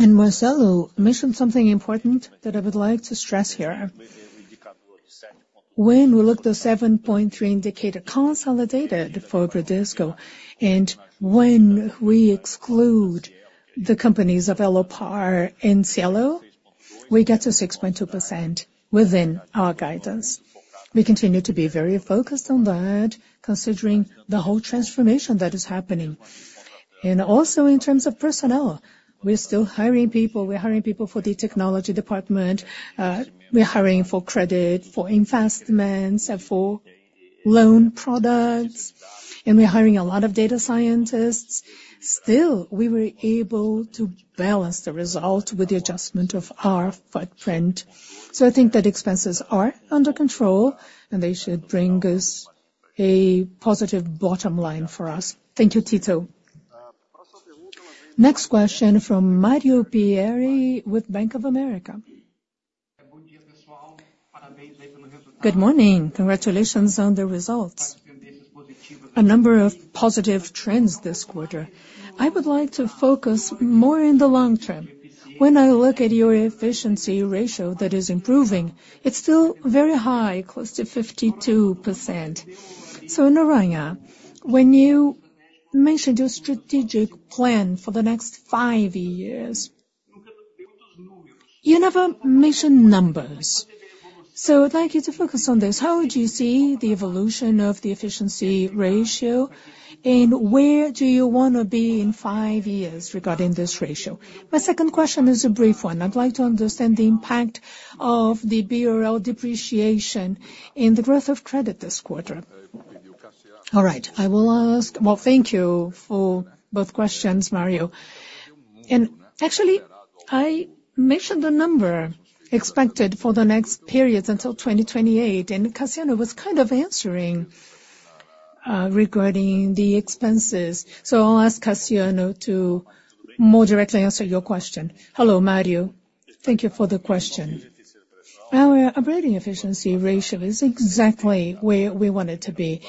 And Marcelo mentioned something important that I would like to stress here. When we look at the 7.3 indicator consolidated for Bradesco, and when we exclude the companies of Elopar and Cielo, we get to 6.2% within our guidance. We continue to be very focused on that, considering the whole transformation that is happening. And also, in terms of personnel, we're still hiring people. We're hiring people for the technology department, we're hiring for credit, for investments, and for loan products, and we're hiring a lot of data scientists. Still, we were able to balance the result with the adjustment of our footprint. So I think that expenses are under control, and they should bring us a positive bottom line for us. Thank you, Tito. Next question from Mario Pieri with Bank of America. Good morning. Congratulations on the results. A number of positive trends this quarter. I would like to focus more in the long term. When I look at your efficiency ratio that is improving, it's still very high, close to 52%. So, Noronha, when you mentioned your strategic plan for the next five years, you never mention numbers. So I'd like you to focus on this: How do you see the evolution of the efficiency ratio, and where do you wanna be in five years regarding this ratio? My second question is a brief one. I'd like to understand the impact of the BRL depreciation in the growth of credit this quarter. All right. I will ask... Well, thank you for both questions, Mario. And actually, I mentioned the number expected for the next periods until 2028, and Cassiano was kind of answering, regarding the expenses. So I'll ask Cassiano to more directly answer your question. Hello, Mario. Thank you for the question. Our operating efficiency ratio is exactly where we want it to be.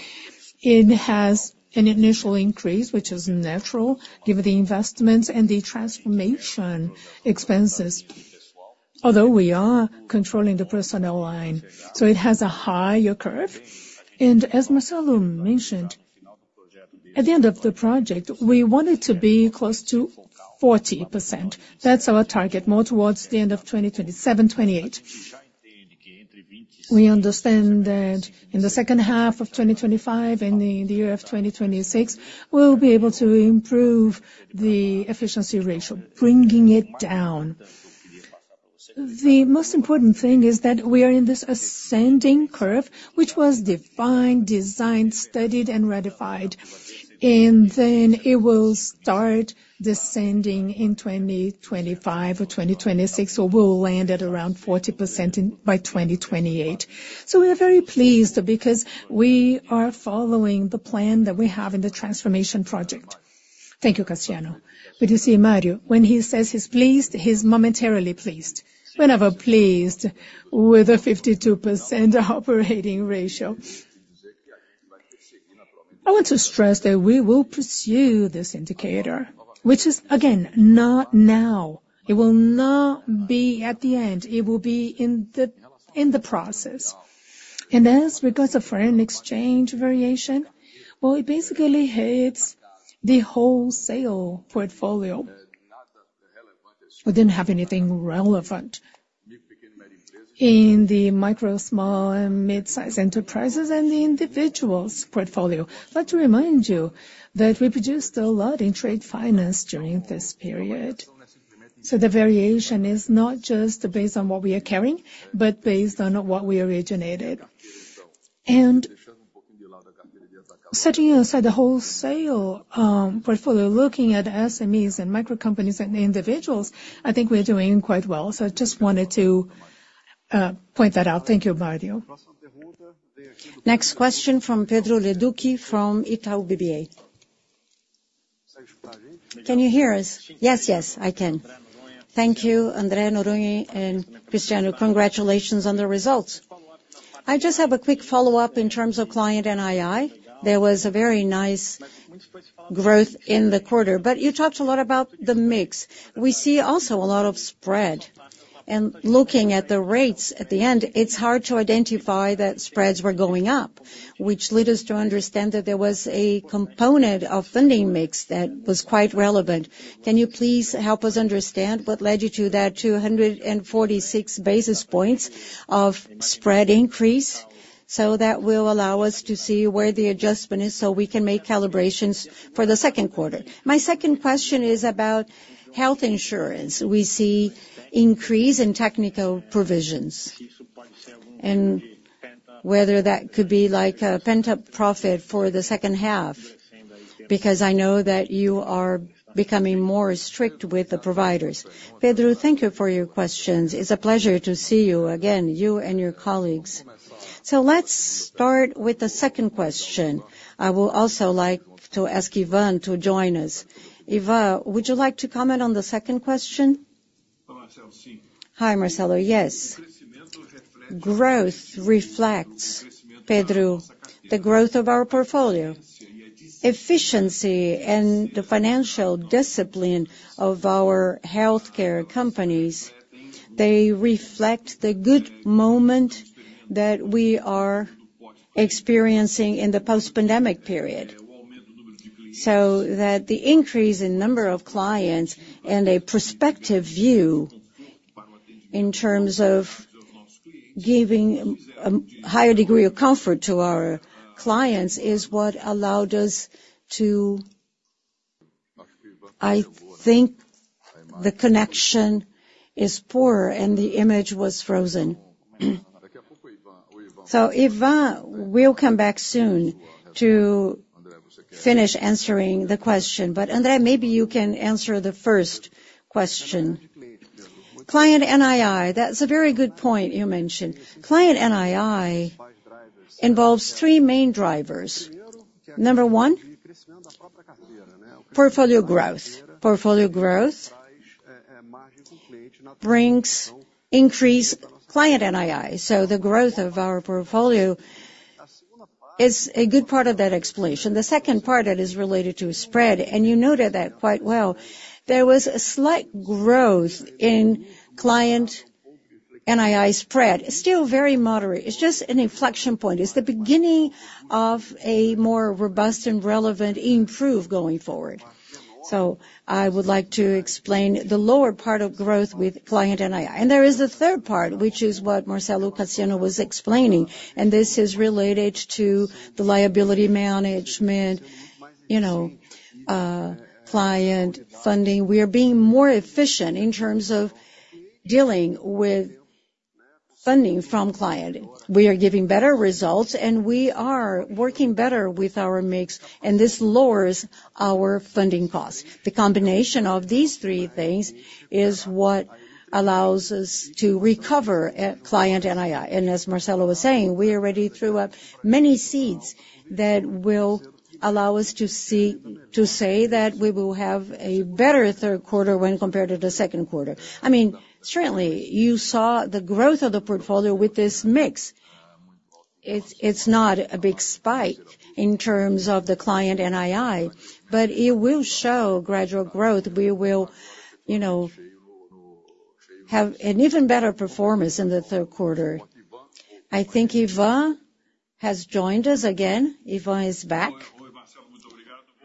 It has an initial increase, which is natural, given the investments and the transformation expenses, although we are controlling the personnel line, so it has a higher curve. And as Marcelo mentioned, at the end of the project, we want it to be close to 40%. That's our target, more towards the end of 2027, 2028. We understand that in the second half of 2025 and the year of 2026, we'll be able to improve the efficiency ratio, bringing it down. The most important thing is that we are in this ascending curve, which was defined, designed, studied, and ratified, and then it will start descending in 2025 or 2026, so we'll land at around 40% in, by 2028. So we are very pleased, because we are following the plan that we have in the transformation project. Thank you, Cassiano. But you see, Mario, when he says he's pleased, he's momentarily pleased. We're never pleased with a 52% operating ratio. I want to stress that we will pursue this indicator, which is, again, not now. It will not be at the end, it will be in the, in the process. As regards the foreign exchange variation, well, it basically hits the wholesale portfolio. We didn't have anything relevant in the micro, small, and mid-size enterprises and the individuals' portfolio. But to remind you, that we produced a lot in trade finance during this period, so the variation is not just based on what we are carrying, but based on what we originated. Setting aside the wholesale portfolio, looking at SMEs and micro companies and individuals, I think we're doing quite well. So I just wanted to point that out. Thank you, Mario. Next question from Pedro Leduc, from Itaú BBA.... Can you hear us? Yes, yes, I can. Thank you, André, Noronha and Cassiano, congratulations on the results. I just have a quick follow-up in terms of client NII. There was a very nice growth in the quarter, but you talked a lot about the mix. We see also a lot of spread, and looking at the rates at the end, it's hard to identify that spreads were going up, which led us to understand that there was a component of funding mix that was quite relevant. Can you please help us understand what led you to that 246 basis points of spread increase? So that will allow us to see where the adjustment is, so we can make calibrations for the second quarter. My second question is about health insurance. We see increase in technical provisions, and whether that could be, like, a pent-up profit for the second half, because I know that you are becoming more strict with the providers. Pedro, thank you for your questions. It's a pleasure to see you again, you and your colleagues. So let's start with the second question. I would also like to ask Ivan to join us. Ivan, would you like to comment on the second question? Hi, Marcelo. Yes. Growth reflects, Pedro, the growth of our portfolio. Efficiency and the financial discipline of our healthcare companies, they reflect the good moment that we are experiencing in the post-pandemic period. So that the increase in number of clients and a prospective view in terms of giving a, a higher degree of comfort to our clients is what allowed us to... I think the connection is poor, and the image was frozen. So Ivan, we'll come back soon to finish answering the question, but, André, maybe you can answer the first question. Client NII, that's a very good point you mentioned. Client NII involves three main drivers. Number one, portfolio growth. Portfolio growth brings increased client NII, so the growth of our portfolio is a good part of that explanation. The second part, that is related to spread, and you noted that quite well. There was a slight growth in client NII spread, still very moderate. It's just an inflection point. It's the beginning of a more robust and relevant improve going forward. So I would like to explain the lower part of growth with client NII. And there is a third part, which is what Marcelo Cassiano was explaining, and this is related to the liability management, you know, client funding. We are being more efficient in terms of dealing with funding from client. We are giving better results, and we are working better with our mix, and this lowers our funding costs. The combination of these three things is what allows us to recover, client NII. And as Marcelo was saying, we already threw up many seeds that will allow us to see—to say that we will have a better third quarter when compared to the second quarter. I mean, certainly, you saw the growth of the portfolio with this mix. It's, it's not a big spike in terms of the client NII, but it will show gradual growth. We will, you know, have an even better performance in the third quarter. I think Ivan has joined us again. Ivan is back.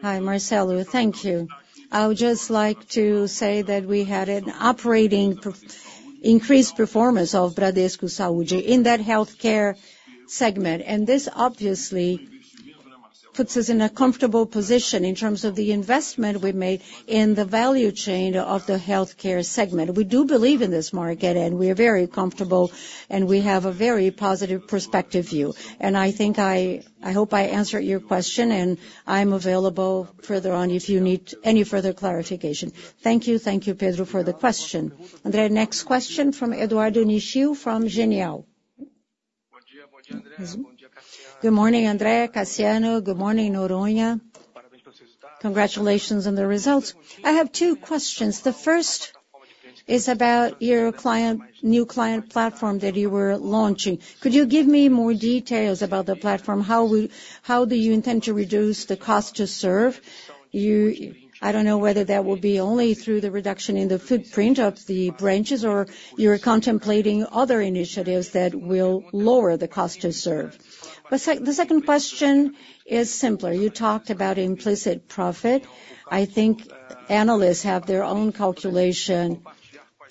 Hi, Marcelo, thank you. I would just like to say that we had an operating profit increase of Bradesco Saúde in that healthcare segment, and this obviously puts us in a comfortable position in terms of the investment we made in the value chain of the healthcare segment. We do believe in this market, and we are very comfortable, and we have a very positive prospective view. And I think I hope I answered your question, and I'm available further on if you need any further clarification. Thank you, thank you, Pedro, for the question. André, next question from Eduardo Nishio from Genial. Good morning, André, Cassiano. Good morning, Noronha. Congratulations on the results. I have two questions. The first is about your client new client platform that you were launching. Could you give me more details about the platform? How will—how do you intend to reduce the cost to serve? You—I don't know whether that will be only through the reduction in the footprint of the branches, or you are contemplating other initiatives that will lower the cost to serve. But the second question is simpler. You talked about implicit profit. I think analysts have their own calculation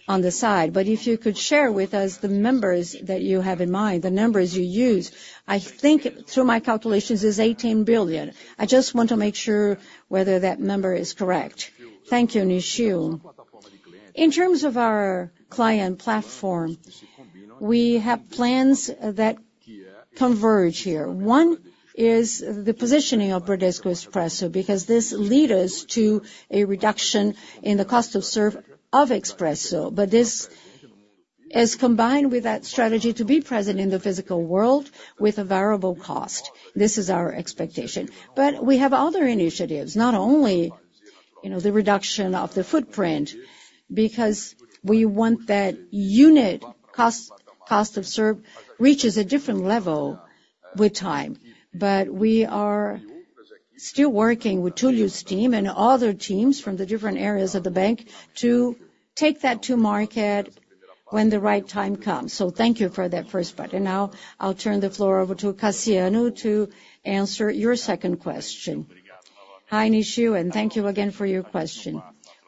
on the side, but if you could share with us the numbers that you have in mind, the numbers you use. I think, through my calculations, it's 18 billion. I just want to make sure whether that number is correct. Thank you, Nishio. In terms of our client platform, we have plans that converge here. One is the positioning of Bradesco Expresso, because this lead us to a reduction in the cost of serve of Expresso, but this... is combined with that strategy to be present in the physical world with a variable cost. This is our expectation. But we have other initiatives, not only, you know, the reduction of the footprint, because we want that unit cost, cost of serve, reaches a different level with time. But we are still working with Julio's team and other teams from the different areas of the bank, to take that to market when the right time comes. So thank you for that first part. And now, I'll turn the floor over to Cassiano to answer your second question. Hi, Nishio, and thank you again for your question.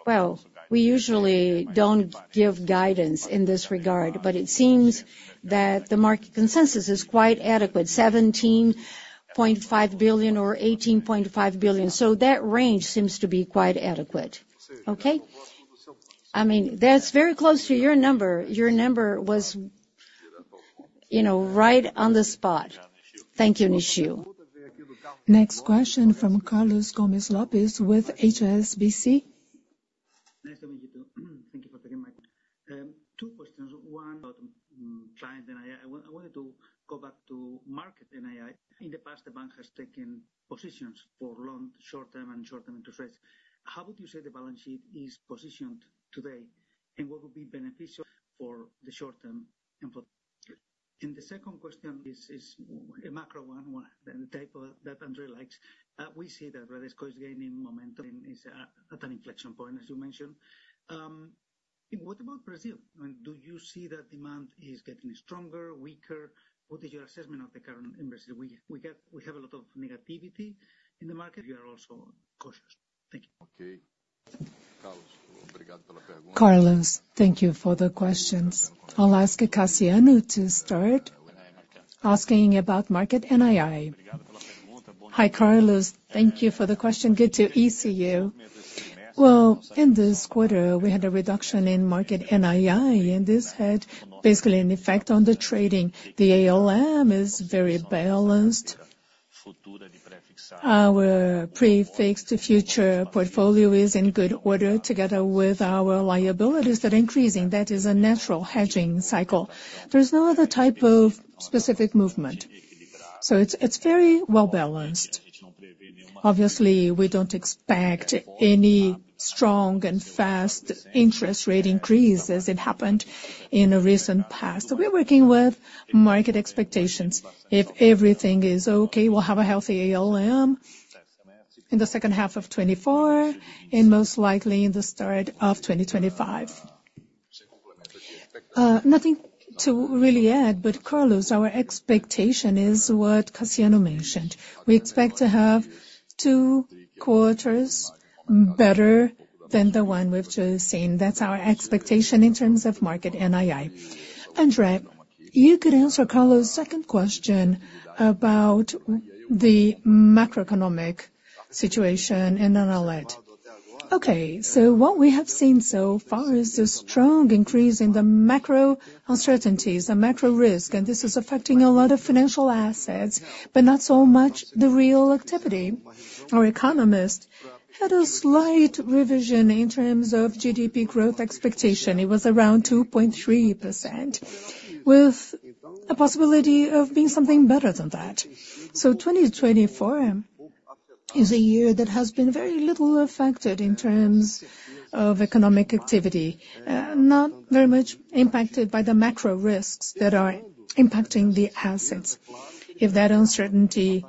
Well, we usually don't give guidance in this regard, but it seems that the market consensus is quite adequate, 17.5 billion or 18.5 billion. So that range seems to be quite adequate, okay? I mean, that's very close to your number. Your number was, you know, right on the spot. Thank you, Nishio. Next question from Carlos Gomez-Lopez with HSBC. Nice to meet you, too. Thank you for taking my call. Two questions. One about client NII. I wanted to go back to market NII. In the past, the bank has taken positions for long, short-term, and short-term interest rates. How would you say the balance sheet is positioned today, and what would be beneficial for the short term and for the... And the second question is a macro one, the type that André likes. We see that Bradesco is gaining momentum and is at an inflection point, as you mentioned. And what about Brazil? And do you see that demand is getting stronger, weaker? What is your assessment of the current investment? We get, we have a lot of negativity in the market. We are also cautious. Thank you. Okay, Carlos, thank you for the questions. I'll ask Cassiano to start, asking about market NII. Hi, Carlos, thank you for the question. Good to see you. Well, in this quarter, we had a reduction in market NII, and this had basically an effect on the trading. The ALM is very balanced. Our pre-fixed future portfolio is in good order, together with our liabilities that are increasing. That is a natural hedging cycle. There's no other type of specific movement, so it's very well-balanced. Obviously, we don't expect any strong and fast interest rate increase as it happened in the recent past. We're working with market expectations. If everything is okay, we'll have a healthy ALM in the second half of 2024, and most likely in the start of 2025. Nothing to really add, but Carlos, our expectation is what Cassiano mentioned. We expect to have two quarters better than the one we've just seen. That's our expectation in terms of market NII. André, you could answer Carlos' second question about the macroeconomic situation and then I'll add. Okay, so what we have seen so far is a strong increase in the macro uncertainties, the macro risk, and this is affecting a lot of financial assets, but not so much the real activity. Our economist had a slight revision in terms of GDP growth expectation. It was around 2.3%, with a possibility of being something better than that. So 2024 is a year that has been very little affected in terms of economic activity, not very much impacted by the macro risks that are impacting the assets. If that uncertainty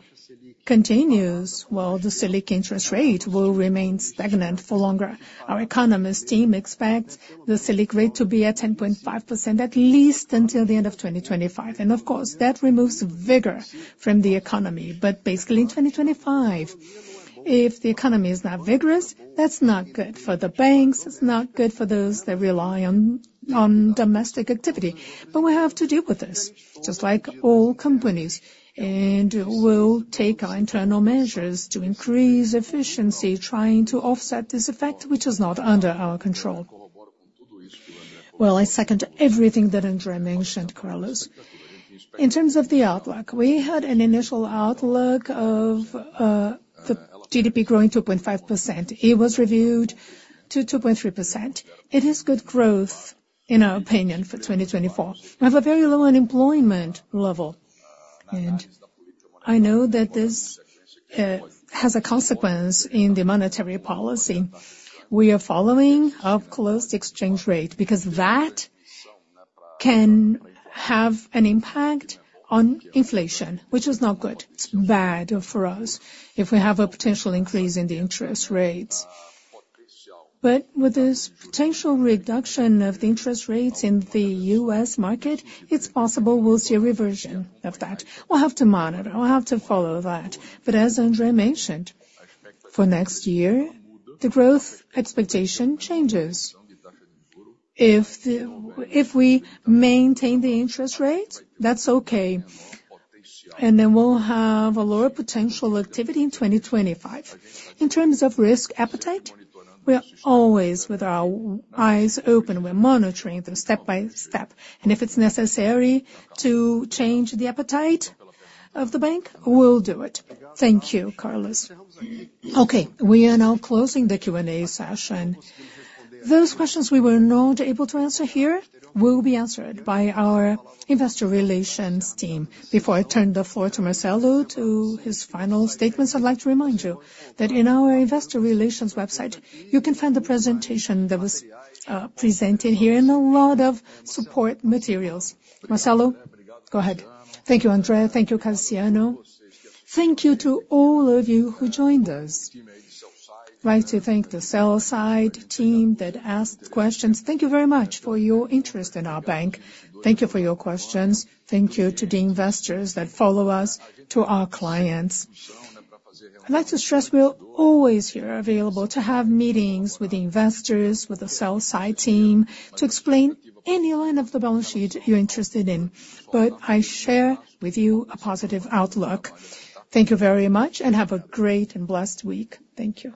continues, well, the Selic interest rate will remain stagnant for longer. Our economist team expects the Selic rate to be at 10.5%, at least until the end of 2025. And of course, that removes vigor from the economy. But basically in 2025, if the economy is not vigorous, that's not good for the banks, it's not good for those that rely on, on domestic activity. But we have to deal with this, just like all companies, and we'll take our internal measures to increase efficiency, trying to offset this effect, which is not under our control. Well, I second everything that André mentioned, Carlos. In terms of the outlook, we had an initial outlook of, the GDP growing 2.5%. It was reviewed to 2.3%. It is good growth, in our opinion, for 2024. We have a very low unemployment level, and I know that this has a consequence in the monetary policy. We are following up close the exchange rate, because that can have an impact on inflation, which is not good. It's bad for us, if we have a potential increase in the interest rates. But with this potential reduction of the interest rates in the U.S. market, it's possible we'll see a reversion of that. We'll have to monitor, we'll have to follow that. But as André mentioned, for next year, the growth expectation changes. If we maintain the interest rate, that's okay, and then we'll have a lower potential activity in 2025. In terms of risk appetite, we are always with our eyes open. We're monitoring them step by step, and if it's necessary to change the appetite of the bank, we'll do it. Thank you, Carlos. Okay, we are now closing the Q&A session. Those questions we were not able to answer here will be answered by our investor relations team. Before I turn the floor to Marcelo, to his final statements, I'd like to remind you that in our investor relations website, you can find the presentation that was presented here and a lot of support materials. Marcelo, go ahead. Thank you, André. Thank you, Cassiano. Thank you to all of you who joined us. Right, to thank the sell side team that asked questions, thank you very much for your interest in our bank. Thank you for your questions. Thank you to the investors that follow us, to our clients. I'd like to stress we're always here available to have meetings with the investors, with the sell side team, to explain any line of the balance sheet you're interested in. But I share with you a positive outlook. Thank you very much, and have a great and blessed week. Thank you.